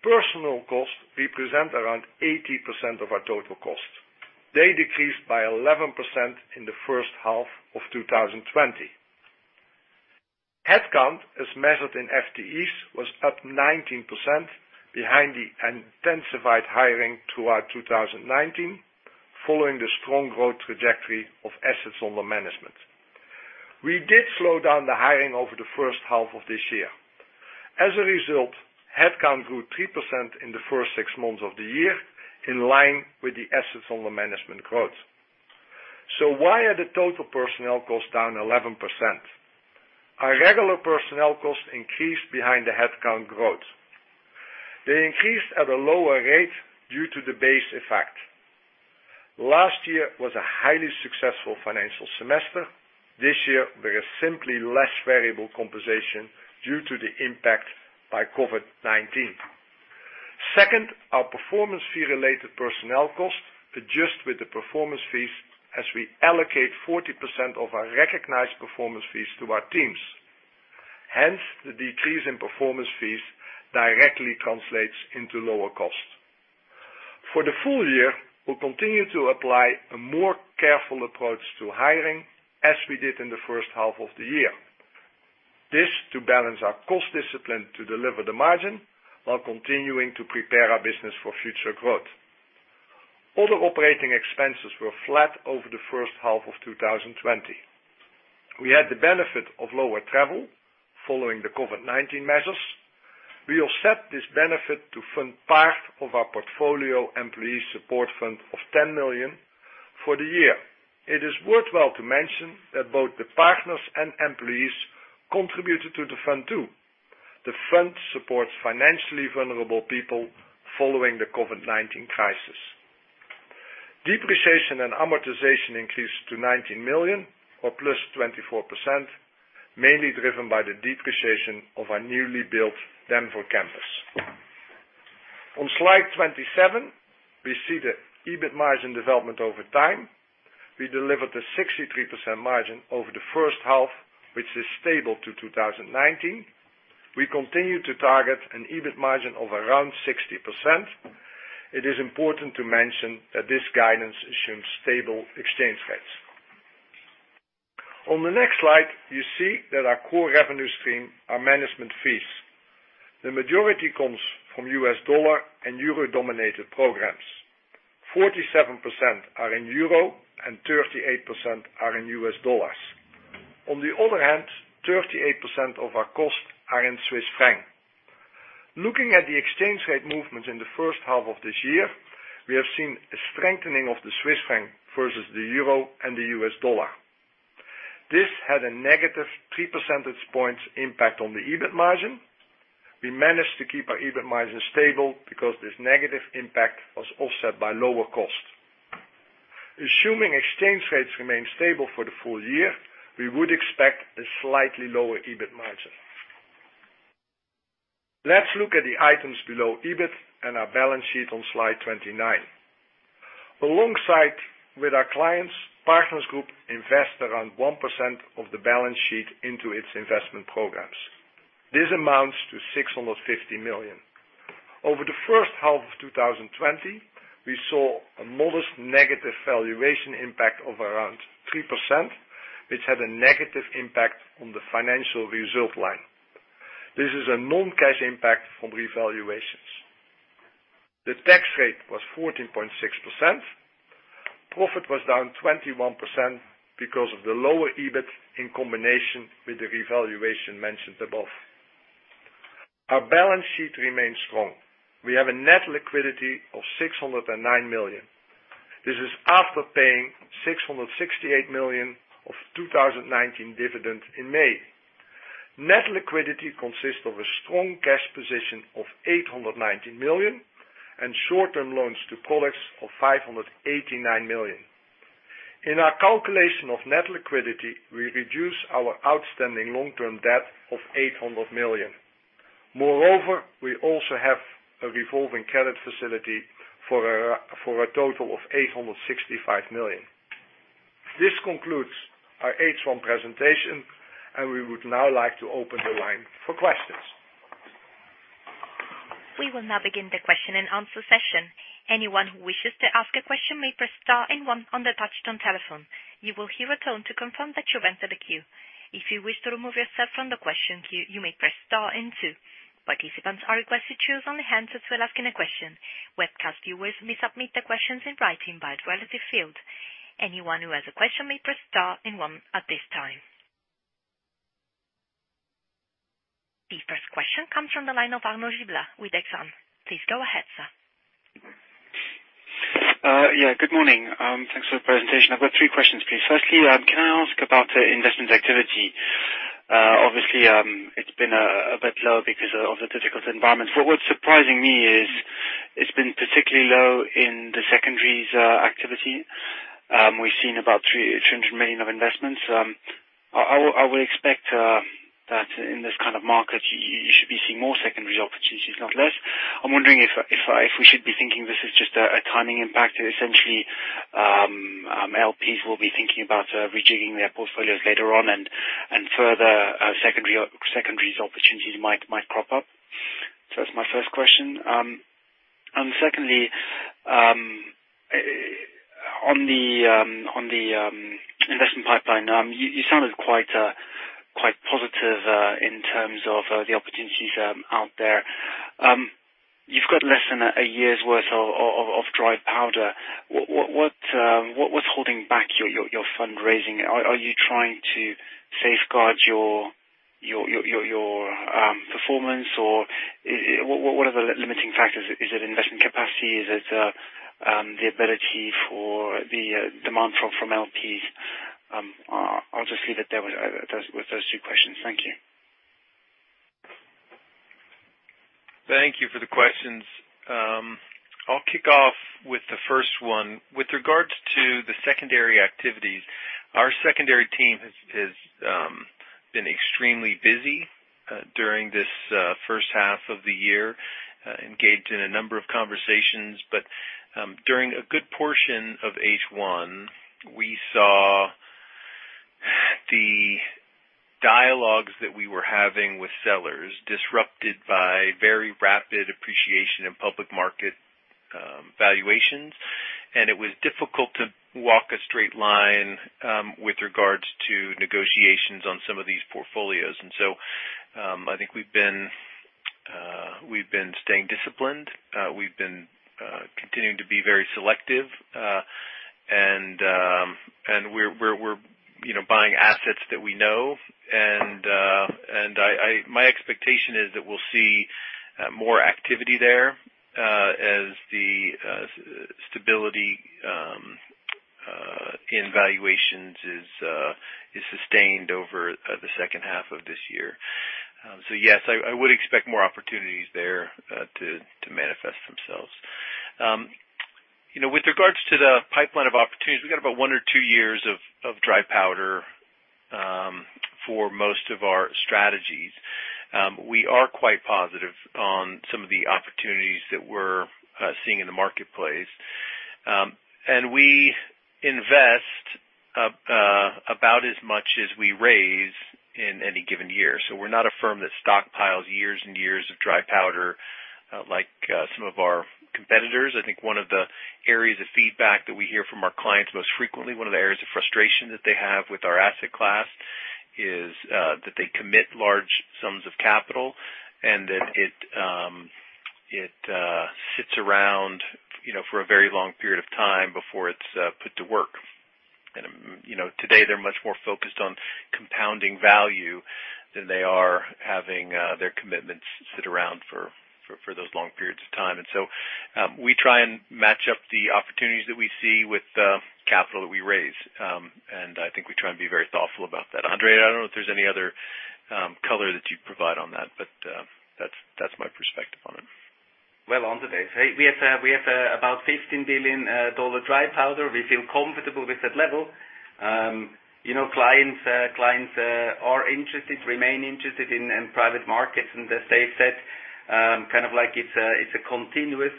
Personnel costs represent around 80% of our total costs. They decreased by 11% in the first half of 2020. Headcount, as measured in FTEs, was up 19% behind the intensified hiring throughout 2019, following the strong growth trajectory of assets under management. We did slow down the hiring over the first half of this year. Headcount grew 3% in the first six months of the year, in line with the assets under management growth. Why are the total personnel costs down 11%? Our regular personnel costs increased behind the headcount growth. They increased at a lower rate due to the base effect. Last year was a highly successful financial semester. This year, there is simply less variable compensation due to the impact by COVID-19. Our performance fee-related personnel costs adjust with the performance fees as we allocate 40% of our recognized performance fees to our teams. The decrease in performance fees directly translates into lower costs. For the full year, we will continue to apply a more careful approach to hiring as we did in the first half of the year. This to balance our cost discipline to deliver the margin while continuing to prepare our business for future growth. Other operating expenses were flat over the first half of 2020. We had the benefit of lower travel following the COVID-19 measures. We offset this benefit to fund part of our portfolio employee support fund of 10 million for the year. It is worthwhile to mention that both the partners and employees contributed to the fund too. The fund supports financially vulnerable people following the COVID-19 crisis. Depreciation and amortization increased to 19 million, or +24%, mainly driven by the depreciation of our newly built Denver campus. On slide 27, we see the EBIT margin development over time. We delivered a 63% margin over the first half, which is stable to 2019. We continue to target an EBIT margin of around 60%. It is important to mention that this guidance assumes stable exchange rates. On the next slide, you see that our core revenue stream are management fees. The majority comes from U.S. dollar and Euro-dominated programs. 47% are in Euro, and 38% are in U.S. dollar. On the other hand, 38% of our costs are in CHF. Looking at the exchange rate movement in the first half of this year, we have seen a strengthening of the Swiss franc versus the euro and the U.S. dollar. This had a -3 percentage points impact on the EBIT margin. We managed to keep our EBIT margin stable because this negative impact was offset by lower costs. Assuming exchange rates remain stable for the full year, we would expect a slightly lower EBIT margin. Let's look at the items below EBIT and our balance sheet on slide 29. Alongside with our clients, Partners Group invest around 1% of the balance sheet into its investment programs. This amounts to 650 million. Over the first half of 2020, we saw a modest negative valuation impact of around 3%, which had a negative impact on the financial result line. This is a non-cash impact from revaluations. The tax rate was 14.6%. Profit was down 21% because of the lower EBIT in combination with the revaluation mentioned above. Our balance sheet remains strong. We have a net liquidity of 609 million. This is after paying 668 million of 2019 dividend in May. Net liquidity consists of a strong cash position of 819 million and short-term loans to colleagues of 589 million. In our calculation of net liquidity, we reduce our outstanding long-term debt of 800 million. Moreover, we also have a revolving credit facility for a total of 865 million. This concludes our H1 presentation, and we would now like to open the line for questions. We will now begin the question and answer session. Anyone who wishes to ask a question may press star and one on the touch tone telephone. You will hear a tone to confirm that you enter the queue. If you wish to remove yourself from the question queue, you may press star and two. Participants are requested choose on the handset question webcast. You submit the questions in writing by the relative field. Anyone who has a question may press star in one at this time. The first question comes from the line of Arnaud Giblat with Exane. Please go ahead, sir. Yeah. Good morning. Thanks for the presentation. I've got three questions, please. Firstly, can I ask about investment activity? Obviously, it's been a bit low because of the difficult environment. What's surprising me is it's been particularly low in the secondaries activity. We've seen about 300 million of investments. I would expect that in this kind of market, you should be seeing more secondary opportunities, not less. I'm wondering if we should be thinking this is just a timing impact, essentially, LPs will be thinking about rejigging their portfolios later on and further secondaries opportunities might crop up. That's my first question. Secondly, on the investment pipeline, you sounded quite positive, in terms of the opportunities out there. You've got less than a year's worth of dry powder. What was holding back your fundraising? Are you trying to safeguard your performance or what are the limiting factors? Is it investment capacity? Is it the ability for the demand from LPs? I'll just leave it with those two questions. Thank you. Thank you for the questions. I'll kick off with the first one. With regards to the secondary activities, our secondary team has been extremely busy during this first half of the year, engaged in a number of conversations. During a good portion of H1, we saw the dialogues that we were having with sellers disrupted by very rapid appreciation in public market valuations. It was difficult to walk a straight line, with regards to negotiations on some of these portfolios. I think we've been staying disciplined. We've been continuing to be very selective, and we're buying assets that we know. My expectation is that we'll see more activity there, as the stability in valuations is sustained over the second half of this year. Yes, I would expect more opportunities there to manifest themselves. With regards to the pipeline of opportunities, we've got about one or two years of dry powder for most of our strategies. We are quite positive on some of the opportunities that we're seeing in the marketplace. We invest about as much as we raise in any given year. We're not a firm that stockpiles years and years of dry powder like some of our competitors. I think one of the areas of feedback that we hear from our clients most frequently, one of the areas of frustration that they have with our asset class is that they commit large sums of capital, and that it sits around for a very long period of time before it's put to work. Today they're much more focused on compounding value than they are having their commitments sit around for those long periods of time. We try and match up the opportunities that we see with the capital that we raise. I think we try and be very thoughtful about that. André, I don't know if there's any other color that you'd provide on that, but that's my perspective on it. Well, on today's date, we have about CHF 15 billion dry powder. We feel comfortable with that level. Clients are interested, remain interested in private markets. As they've said, it's a continuous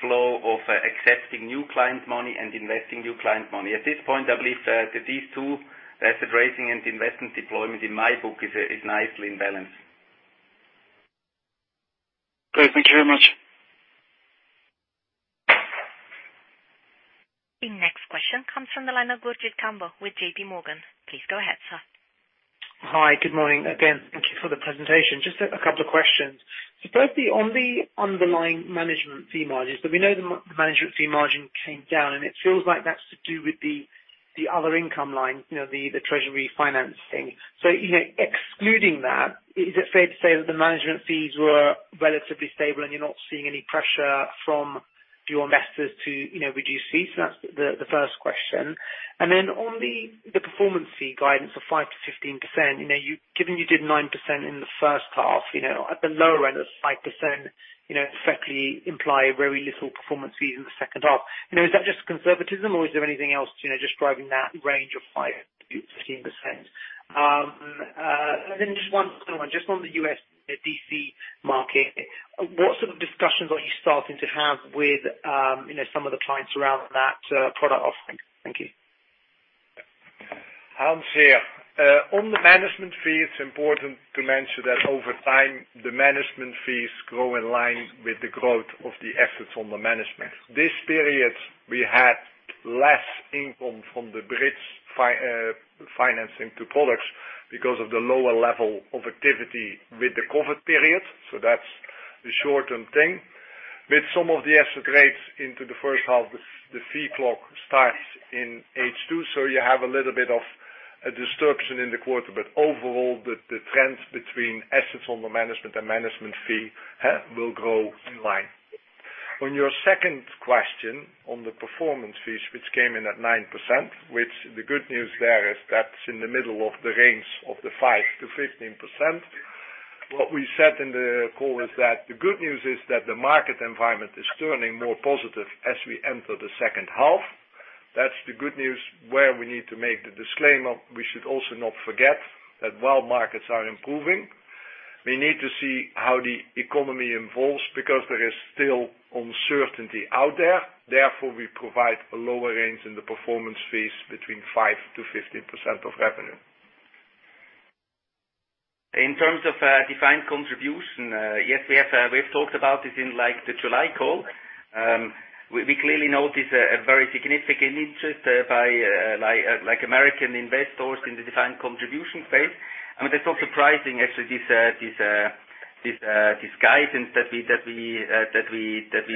flow of accepting new client money and investing new client money. At this point, I believe that these two, asset raising and investment deployment, in my book, is nicely in balance. Great. Thank you very much. The next question comes from the line of Gurjit Kambo with JPMorgan. Please go ahead, sir. Hi. Good morning again. Thank you for the presentation. Just a couple of questions. Firstly, on the underlying management fee margins, we know the management fee margin came down, and it feels like that's to do with the other income line, the treasury financing. Excluding that, is it fair to say that the management fees were relatively stable and you're not seeing any pressure from your investors to reduce fees? That's the first question. Then on the performance fee guidance of 5%-15%, given you did 9% in the first half, at the lower end of 5%, effectively imply very little performance fees in the second half. Is that just conservatism or is there anything else just driving that range of 5%-15%? Then just one other one, just on the U.S. D.C. market, what sort of discussions are you starting to have with some of the clients around that product offering? Thank you. Hans here. On the management fee, it's important to mention that over time, the management fees grow in line with the growth of the assets on the management. This period, we had less income from the bridge financing to products because of the lower level of activity with the COVID period. That's the short-term thing. With some of the asset rates into the first half, the fee clock starts in H2, so you have a little bit of a disruption in the quarter. Overall, the trends between assets on the management and management fee will grow in line. On your second question on the performance fees, which came in at 9%, which the good news there is that's in the middle of the range of the 5%-15%. What we said in the call is that the good news is that the market environment is turning more positive as we enter the second half. That's the good news. Where we need to make the disclaimer, we should also not forget that while markets are improving, we need to see how the economy evolves because there is still uncertainty out there. We provide a lower range in the performance fees between 5%-15% of revenue. In terms of defined contribution, yes, we have talked about this in the July call. We clearly notice a very significant interest by American investors in the defined contribution space. That's not surprising, actually. This guidance that we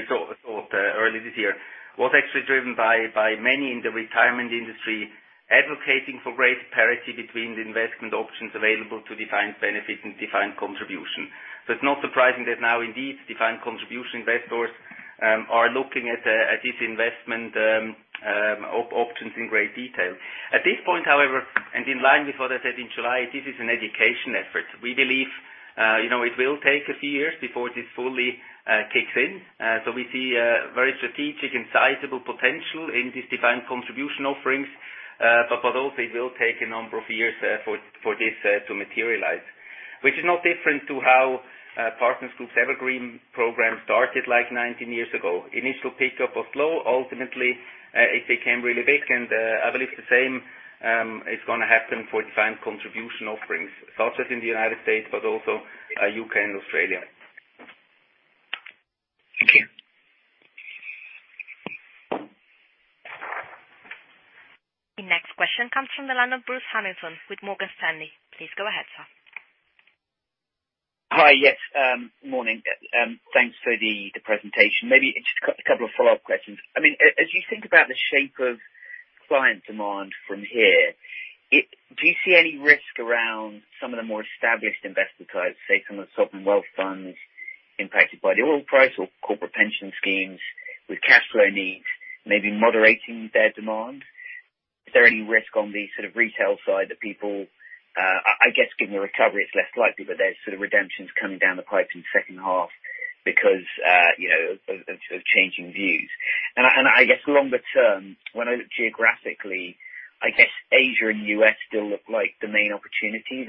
thought early this year was actually driven by many in the retirement industry advocating for greater parity between the investment options available to defined benefit and defined contribution. It's not surprising that now, indeed, defined contribution investors are looking at these investment options in great detail. At this point, however, and in line with what I said in July, this is an education effort. We believe it will take a few years before this fully kicks in. We see a very strategic and sizable potential in these defined contribution offerings. Also it will take a number of years for this to materialize, which is not different to how Partners Group's Evergreen program started 19 years ago. Initial pickup was low. Ultimately, it became really big, and I believe the same is going to happen for defined contribution offerings, such as in the U.S., but also U.K. and Australia. Thank you. The next question comes from the line of Bruce Hamilton with Morgan Stanley. Please go ahead, sir. Hi. Yes, morning. Thanks for the presentation. Maybe just a couple of follow-up questions. As you think about the shape of client demand from here, do you see any risk around some of the more established investor types, say, some of the sovereign wealth funds impacted by the oil price or corporate pension schemes with cash flow needs, maybe moderating their demand? Is there any risk on the retail side that I guess given the recovery, it's less likely, but there's sort of redemptions coming down the pipe in the second half because of changing views. I guess longer term, when I look geographically, I guess Asia and U.S. still look like the main opportunities.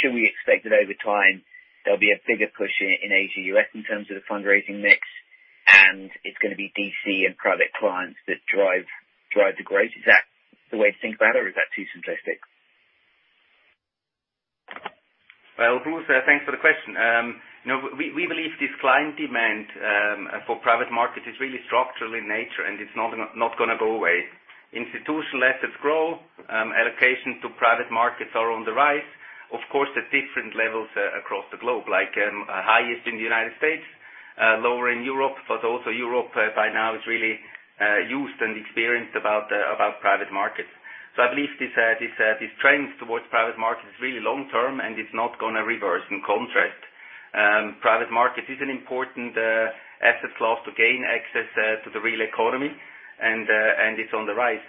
Should we expect that over time there'll be a bigger push in Asia/U.S. in terms of the fundraising mix, and it's going to be D.C. and private clients that drive the growth? Is that the way to think about it, or is that too simplistic? Bruce, thanks for the question. We believe this client demand for private market is really structural in nature, and it's not going to go away. Institutional assets grow, allocations to private markets are on the rise. Of course, at different levels across the globe. Highest in the United States, lower in Europe, but also Europe by now is really used and experienced about private markets. I believe this trend towards private market is really long-term, and it's not going to reverse. In contrast, private market is an important asset class to gain access to the real economy, and it's on the rise.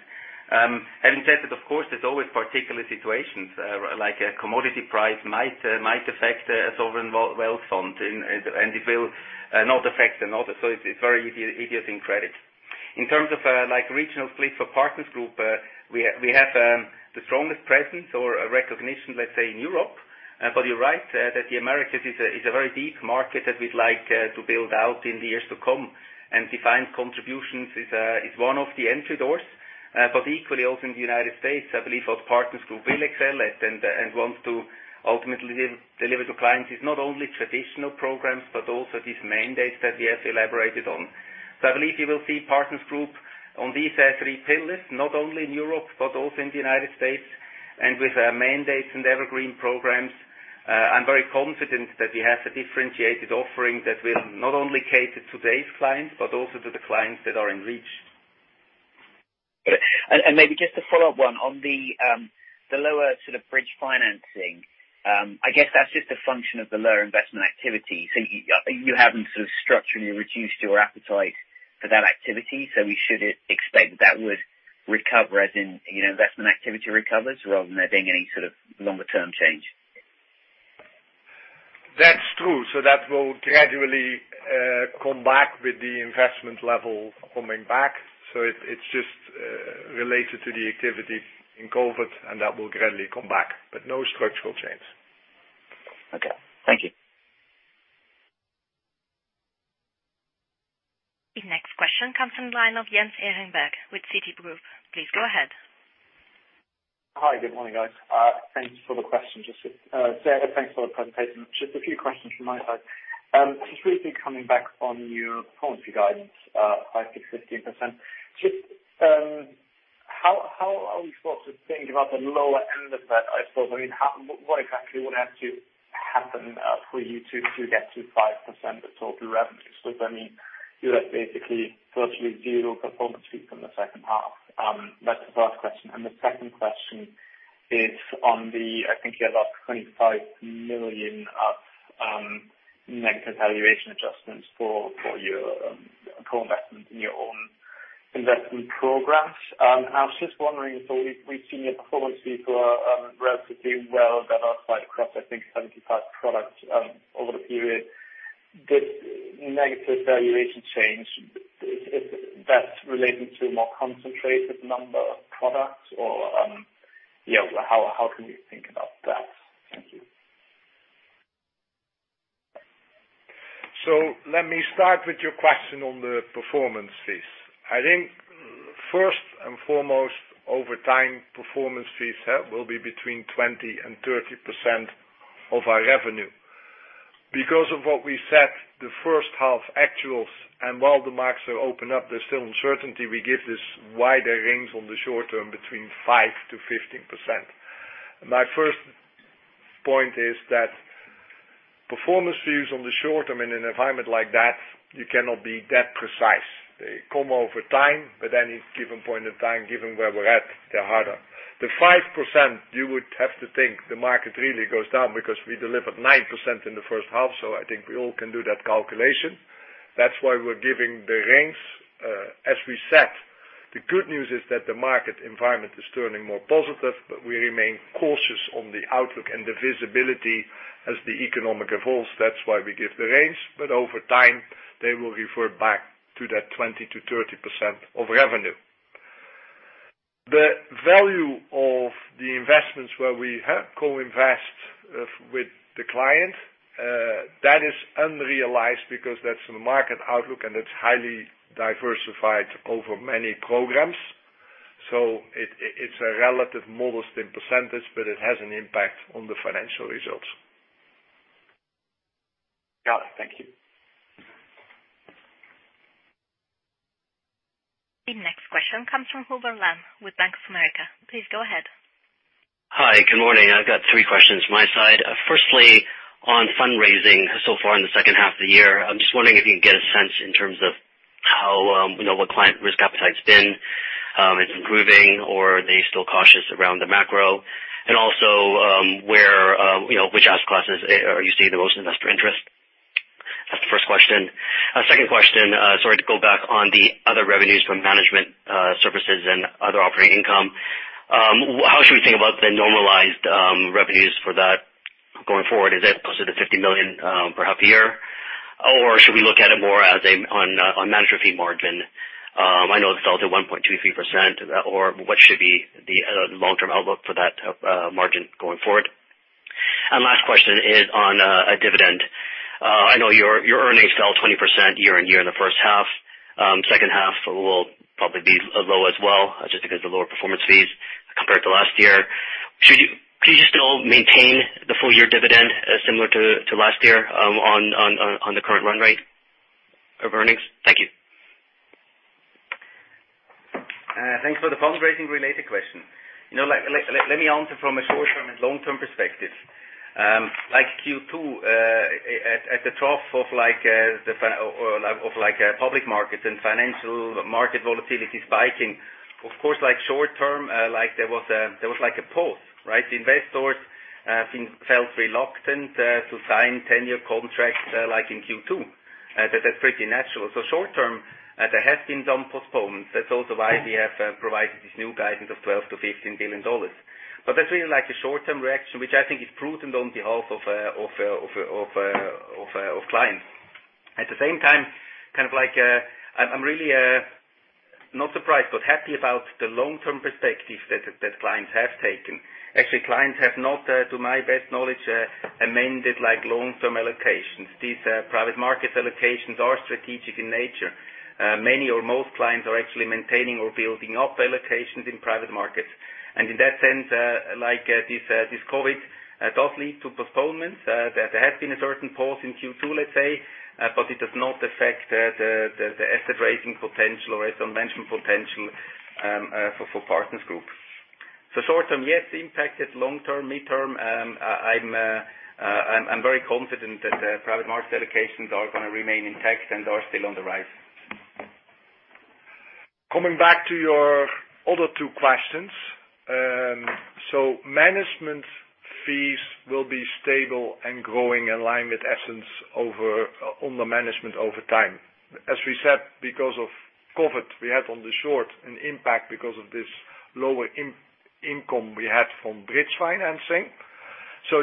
Having said that, of course, there's always particular situations, like a commodity price might affect a sovereign wealth fund, and it will not affect another. It's very idiosyncratic. In terms of regional split for Partners Group, we have the strongest presence or recognition, let's say, in Europe. You're right, that the Americas is a very deep market that we'd like to build out in the years to come, and defined contributions is one of the entry doors. Equally, also in the United States, I believe what Partners Group will excel at and wants to ultimately deliver to clients is not only traditional programs, but also these mandates that we have elaborated on. I believe you will see Partners Group on these three pillars, not only in Europe, but also in the United States, and with mandates and Evergreen programs. I'm very confident that we have a differentiated offering that will not only cater today's clients, but also to the clients that are in reach. Maybe just a follow-up one. On the lower bridge financing, I guess that's just a function of the lower investment activity. You haven't structurally reduced your appetite for that activity, so we should expect that would recover as in investment activity recovers rather than there being any sort of longer-term change? That's true. That will gradually come back with the investment level coming back. It's just related to the activity in COVID, and that will gradually come back, but no structural change. Okay. Thank you. Next question comes from the line of Jens Ehrenberg with Citigroup. Please go ahead. Hi. Good morning, guys. Thanks for the question. Just thanks for the presentation. Just a few questions from my side. Just really quick, coming back on your performance fee guidance, 5%-15%. Just how are we supposed to think about the lower end of that? I suppose, what exactly would have to happen for you to get to 5% of total revenues? Which, I mean, you have basically virtually zero performance fee from the second half. That's the first question. The second question is on the, I think you had about 25 million of negative valuation adjustments for your co-investment in your own investment programs. I was just wondering if we've seen your performance fee for relatively well-developed across, I think, 75 products over the period. This negative valuation change, is that relating to a more concentrated number of products or how can we think about that? Thank you. Let me start with your question on the performance fees. I think first and foremost, over time, performance fees will be between 20% and 30% of our revenue. Because of what we set the first half actuals, and while the markets are open up, there's still uncertainty, we give this wider range on the short term between 5%-15%. My first point is that performance fees on the short term, in an environment like that, you cannot be that precise. They come over time, any given point of time, given where we're at, they're harder. The 5%, you would have to think the market really goes down because we delivered 9% in the first half. I think we all can do that calculation. That's why we're giving the range. As we said, the good news is that the market environment is turning more positive, but we remain cautious on the outlook and the visibility as the economic evolves. That's why we give the range. Over time, they will revert back to that 20%-30% of revenue. The value of the investments where we co-invest with the client, that is unrealized because that's a market outlook and it's highly diversified over many programs. It's a relative modest in percentage, but it has an impact on the financial results. Got it. Thank you. The next question comes from Hubert Lam with Bank of America. Please go ahead. Hi. Good morning. I've got three questions my side. Firstly, on fundraising so far in the second half of the year, I'm just wondering if you can get a sense in terms of what client risk appetite's been, if improving, or are they still cautious around the macro? Which asset classes are you seeing the most investor interest? That's the first question. Second question, sorry to go back on the other revenues from management services and other operating income. How should we think about the normalized revenues for that going forward? Is it closer to 50 million per half year? Should we look at it more as on management fee margin? I know it fell to 1.23%. What should be the long-term outlook for that margin going forward? Last question is on a dividend. I know your earnings fell 20% year-over-year in the first half. Second half will probably be low as well, just because of the lower performance fees compared to last year. Could you still maintain the full-year dividend similar to last year on the current run rate of earnings? Thank you. Thanks for the fundraising-related question. Let me answer from a short-term and long-term perspective. Like Q2, at the trough of public markets and financial market volatility spiking, of course, short term, there was a pause, right? The investors felt reluctant to sign 10-year contracts like in Q2. That's pretty natural. Short term, there has been some postponements. That's also why we have provided this new guidance of CHF 12 billion-CHF 15 billion. That's really a short-term reaction, which I think is prudent on behalf of clients. At the same time, I'm really not surprised but happy about the long-term perspective that clients have taken. Actually, clients have not, to my best knowledge, amended long-term allocations. These private market allocations are strategic in nature. Many or most clients are actually maintaining or building up allocations in private markets. In that sense, this COVID does lead to postponements. There has been a certain pause in Q2, let's say, but it does not affect the asset raising potential or asset management potential for Partners Group. Short term, yes, impact is long term. Midterm, I'm very confident that private market allocations are going to remain intact and are still on the rise. Coming back to your other two questions. Management fees will be stable and growing in line with assets under management over time. As we said, because of COVID, we had on the short an impact because of this lower income we had from bridge financing.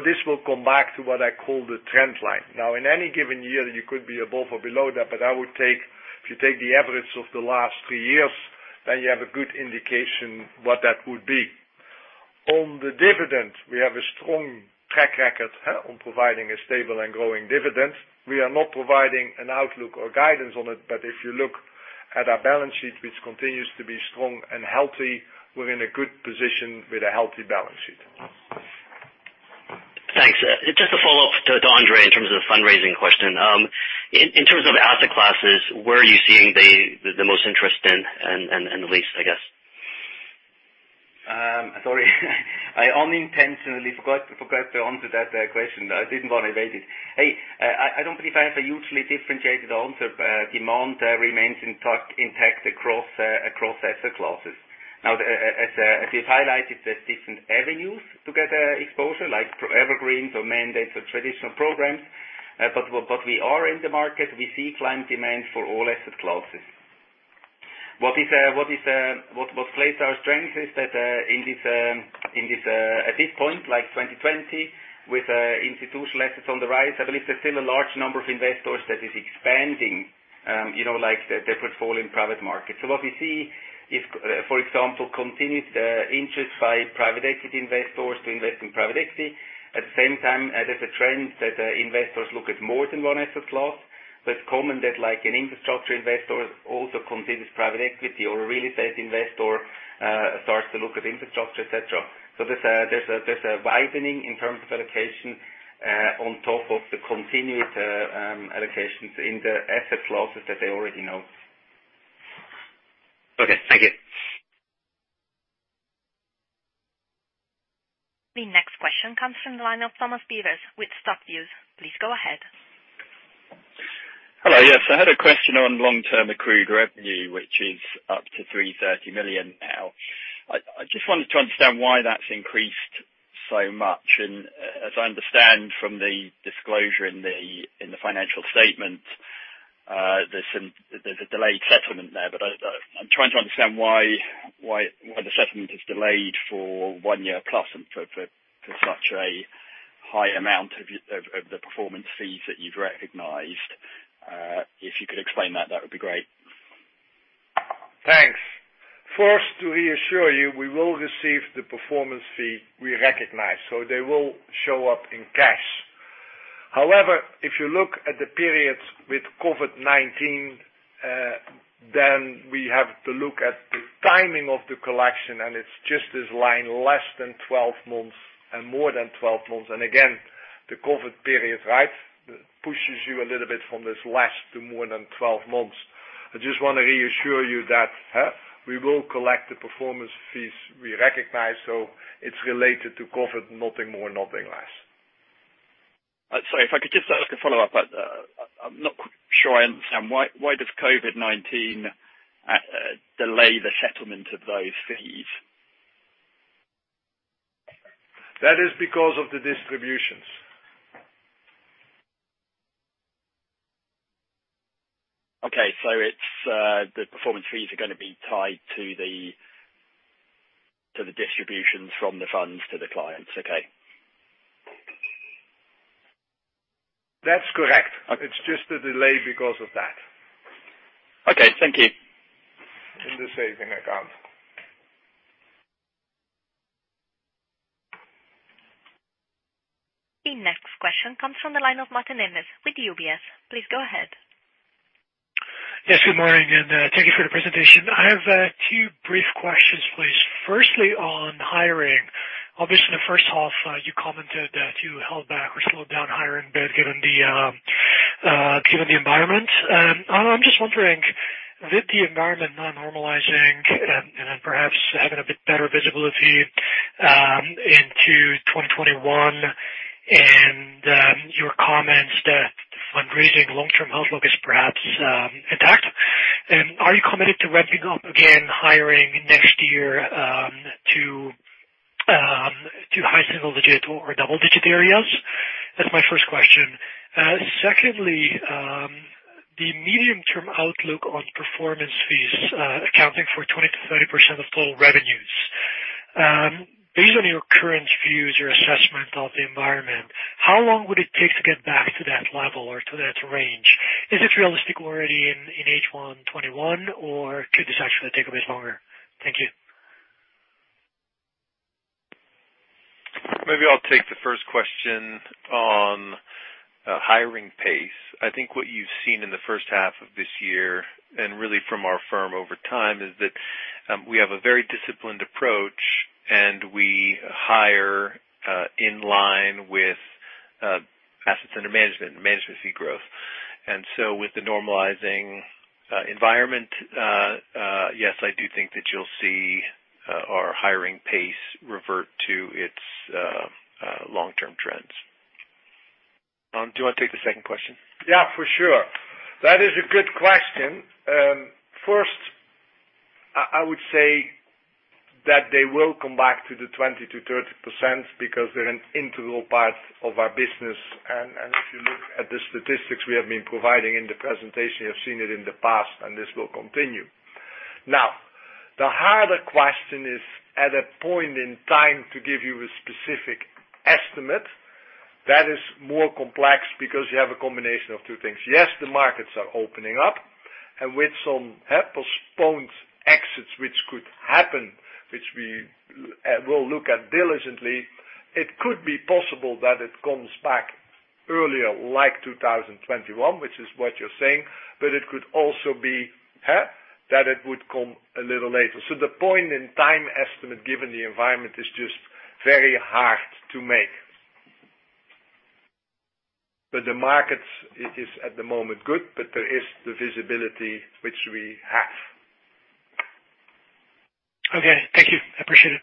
This will come back to what I call the trend line. In any given year, you could be above or below that, but if you take the average of the last three years, you have a good indication what that would be. On the dividend, we have a strong track record on providing a stable and growing dividend. We are not providing an outlook or guidance on it, but if you look at our balance sheet, which continues to be strong and healthy, we're in a good position with a healthy balance sheet. Thanks. Just a follow-up to André in terms of the fundraising question. In terms of asset classes, where are you seeing the most interest in and the least, I guess? Sorry. I unintentionally forgot to answer that question. I didn't want to evade it. Hey, I don't believe I have a hugely differentiated answer. Demand remains intact across asset classes. Now, as we've highlighted, there's different avenues to get exposure, like through Evergreens or mandates or traditional programs. We are in the market. We see client demand for all asset classes. What plays to our strength is that at this point, 2020, with institutional assets on the rise, I believe there's still a large number of investors that is expanding their portfolio in private markets. What we see is, for example, continued interest by private equity investors to invest in private equity. At the same time, there's a trend that investors look at more than one asset class. It's common that an infrastructure investor also considers private equity or a real estate investor starts to look at infrastructure, et cetera. There's a widening in terms of allocation on top of the continued allocations in the asset classes that they already know. Okay, thank you. The next question comes from the line of Thomas Beevers with StockViews. Please go ahead. Hello. Yes, I had a question on long-term accrued revenue, which is up to 330 million now. I just wanted to understand why that's increased so much. As I understand from the disclosure in the financial statement, there's a delayed settlement there. I'm trying to understand why the settlement is delayed for one year plus and for such a high amount of the performance fees that you've recognized. If you could explain that would be great. Thanks. First, to reassure you, we will receive the performance fee we recognize, they will show up in cash. However, if you look at the periods with COVID-19, we have to look at the timing of the collection, it's just this line less than 12 months and more than 12 months. Again, the COVID period, right, pushes you a little bit from this less to more than 12 months. I just want to reassure you that we will collect the performance fees we recognize, it's related to COVID, nothing more, nothing less. Sorry, if I could just ask a follow-up. I'm not sure I understand. Why does COVID-19 delay the settlement of those fees? That is because of the distributions. Okay. The performance fees are going to be tied to the distributions from the funds to the clients. Okay. That's correct. Okay. It's just a delay because of that. Okay, thank you. In the saving account. The next question comes from the line of Mate Nemes with UBS. Please go ahead. Yes, good morning, thank you for the presentation. I have two brief questions, please. Firstly, on hiring. Obviously, the first half, you commented that you held back or slowed down hiring a bit given the environment. I'm just wondering, with the environment now normalizing, perhaps having a bit better visibility into 2021 and your comments that the fundraising long-term outlook is perhaps intact, are you committed to ramping up again hiring next year to high single-digit or double-digit areas? That's my first question. Secondly, the medium-term outlook on performance fees accounting for 20%-30% of total revenues. Based on your current views, your assessment of the environment, how long would it take to get back to that level or to that range? Is it realistic already in H1 2021, could this actually take a bit longer? Thank you. Maybe I'll take the first question on hiring pace. I think what you've seen in the first half of this year, and really from our firm over time, is that we have a very disciplined approach and we hire in line with assets under management and management fee growth. With the normalizing environment, yes, I do think that you'll see our hiring pace revert to its long-term trends. Hans, do you want to take the second question? Yeah, for sure. That is a good question. First, I would say that they will come back to the 20%-30% because they're an integral part of our business. If you look at the statistics we have been providing in the presentation, you have seen it in the past, and this will continue. The harder question is at a point in time to give you a specific estimate. That is more complex because you have a combination of two things. Yes, the markets are opening up, and with some postponed exits, which could happen, which we will look at diligently, it could be possible that it comes back earlier, like 2021, which is what you're saying, but it could also be that it would come a little later. The point in time estimate, given the environment, is just very hard to make. The markets, it is at the moment good, but there is the visibility which we have. Okay. Thank you. Appreciate it.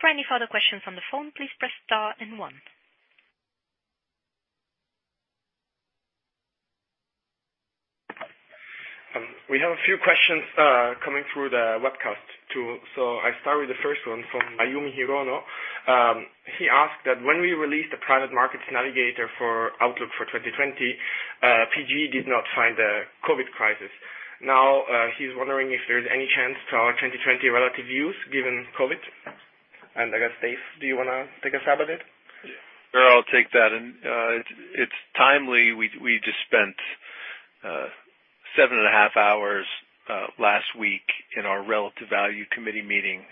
For any further questions on the phone, please press star and one. We have a few questions coming through the webcast, too. I start with the first one from Ayumi Hirono. He asked that when we released the Private Markets Navigator for outlook for 2020, PG did not find the COVID crisis. He's wondering if there's any chance to our 2020 relative views given COVID. I guess, Dave, do you want to take a stab at it? Sure, I'll take that. It's timely. We just spent seven and a half hours last week in our relative value committee meeting,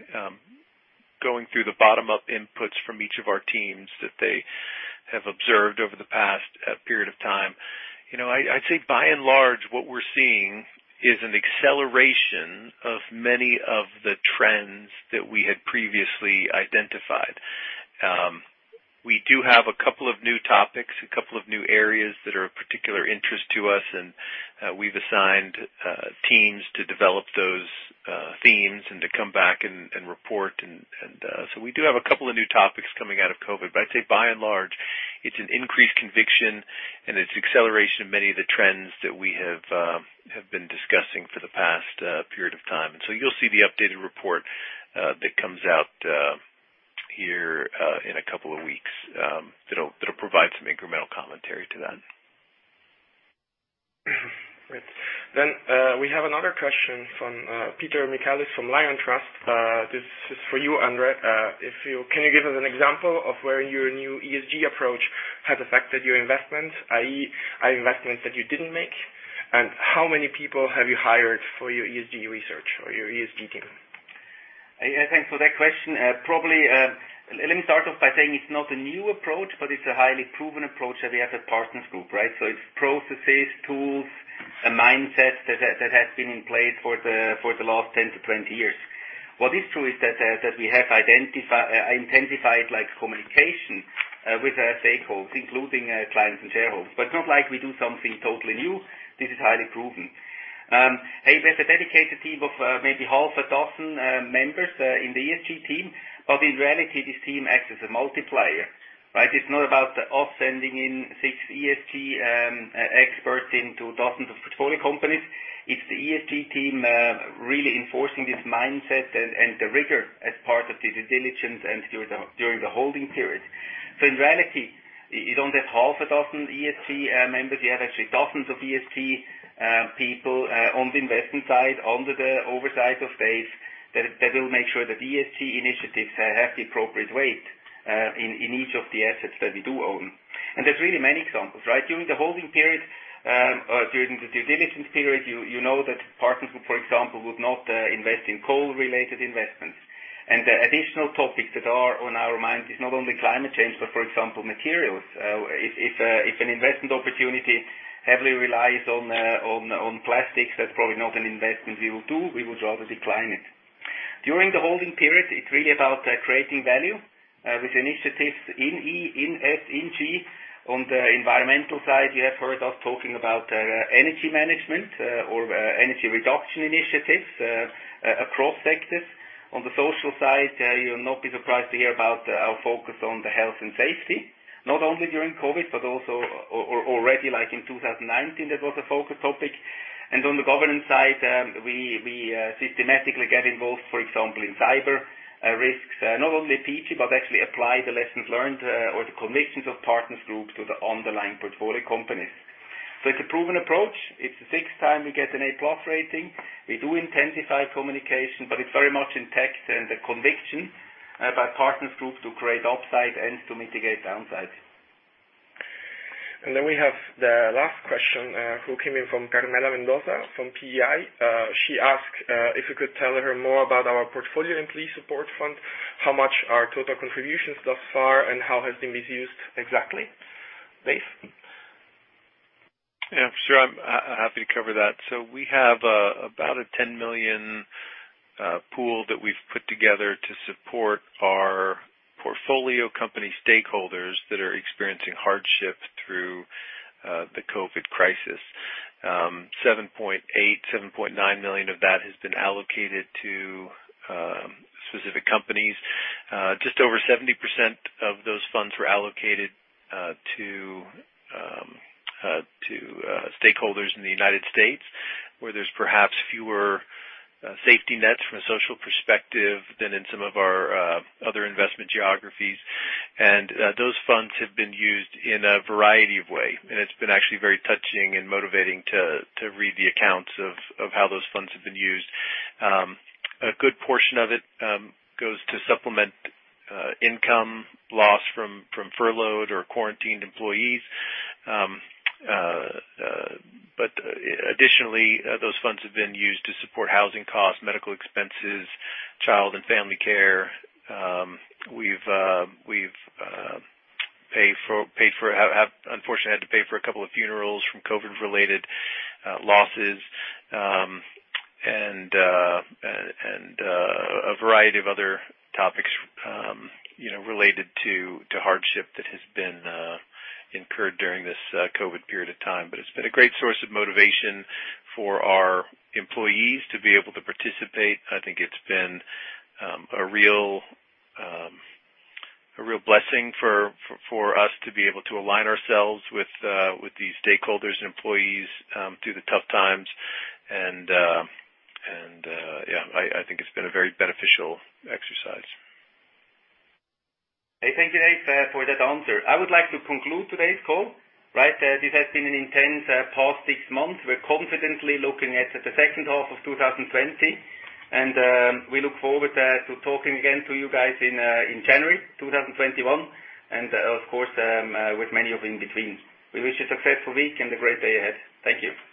going through the bottom-up inputs from each of our teams that they have observed over the past period of time. I'd say by and large, what we're seeing is an acceleration of many of the trends that we had previously identified. We do have a couple of new topics, a couple of new areas that are of particular interest to us, and we've assigned teams to develop those themes and to come back and report. We do have a couple of new topics coming out of COVID. I'd say by and large, it's an increased conviction and it's acceleration of many of the trends that we have been discussing for the past period of time. You'll see the updated report that comes out here in a couple of weeks that'll provide some incremental commentary to that. Great. We have another question from Peter Michaelis from Liontrust. This is for you, André. Can you give us an example of where your new ESG approach has affected your investment, i.e., investments that you didn't make? How many people have you hired for your ESG research or your ESG team? Thanks for that question. Probably, let me start off by saying it's not a new approach, but it's a highly proven approach that we have at Partners Group, right? So it's processes, tools, a mindset that has been in place for the last 10 to 20 years. Not like we do something totally new. This is highly proven. We have a dedicated team of maybe half a dozen members in the ESG team, but in reality, this team acts as a multiplier, right? It's not about us sending in six ESG experts into dozens of portfolio companies. It's the ESG team really enforcing this mindset and the rigor as part of the due diligence and during the holding period. In reality, you don't have half a dozen ESG members. You have actually dozens of ESG people on the investment side, under the oversight of Dave, that will make sure that ESG initiatives have the appropriate weight in each of the assets that we do own. There's really many examples, right? During the holding period, during the due diligence period, you know that Partners Group, for example, would not invest in coal-related investments. The additional topics that are on our mind is not only climate change, but for example, materials. If an investment opportunity heavily relies on plastics, that's probably not an investment we will do. We would rather decline it. During the holding period, it's really about creating value with initiatives in E, in S, in G. On the environmental side, you have heard us talking about energy management or energy reduction initiatives across sectors. On the social side, you'll not be surprised to hear about our focus on the health and safety, not only during COVID, but also already in 2019, that was a focus topic. On the governance side, we systematically get involved, for example, in cyber risks, not only PG, but actually apply the lessons learned or the convictions of Partners Group to the underlying portfolio companies. It's a proven approach. It's the sixth time we get an A+ rating. We do intensify communication, but it's very much intact, and the conviction by Partners Group to create upside and to mitigate downside. We have the last question, who came in from Carmela Mendoza from PEI. She asked if we could tell her more about our portfolio employee support fund, how much are total contributions thus far, and how has the money been used exactly? Dave? Yeah, sure. I'm happy to cover that. We have about a 10 million pool that we've put together to support our portfolio company stakeholders that are experiencing hardship through the COVID-19 crisis. 7.8, 7.9 million of that has been allocated to specific companies. Just over 70% of those funds were allocated to stakeholders in the U.S., where there's perhaps fewer safety nets from a social perspective than in some of our other investment geographies. Those funds have been used in a variety of way, and it's been actually very touching and motivating to read the accounts of how those funds have been used. A good portion of it goes to supplement income loss from furloughed or quarantined employees. Additionally, those funds have been used to support housing costs, medical expenses, child and family care. We've unfortunately had to pay for a couple of funerals from COVID-related losses, and a variety of other topics related to hardship that has been incurred during this COVID period of time. It's been a great source of motivation for our employees to be able to participate. I think it's been a real blessing for us to be able to align ourselves with the stakeholders and employees through the tough times. Yeah, I think it's been a very beneficial exercise. Thank you, Dave, for that answer. I would like to conclude today's call. This has been an intense past six months. We're confidently looking at the second half of 2020, and we look forward to talking again to you guys in January 2021, and of course, with many of you in between. We wish you a successful week and a great day ahead. Thank you.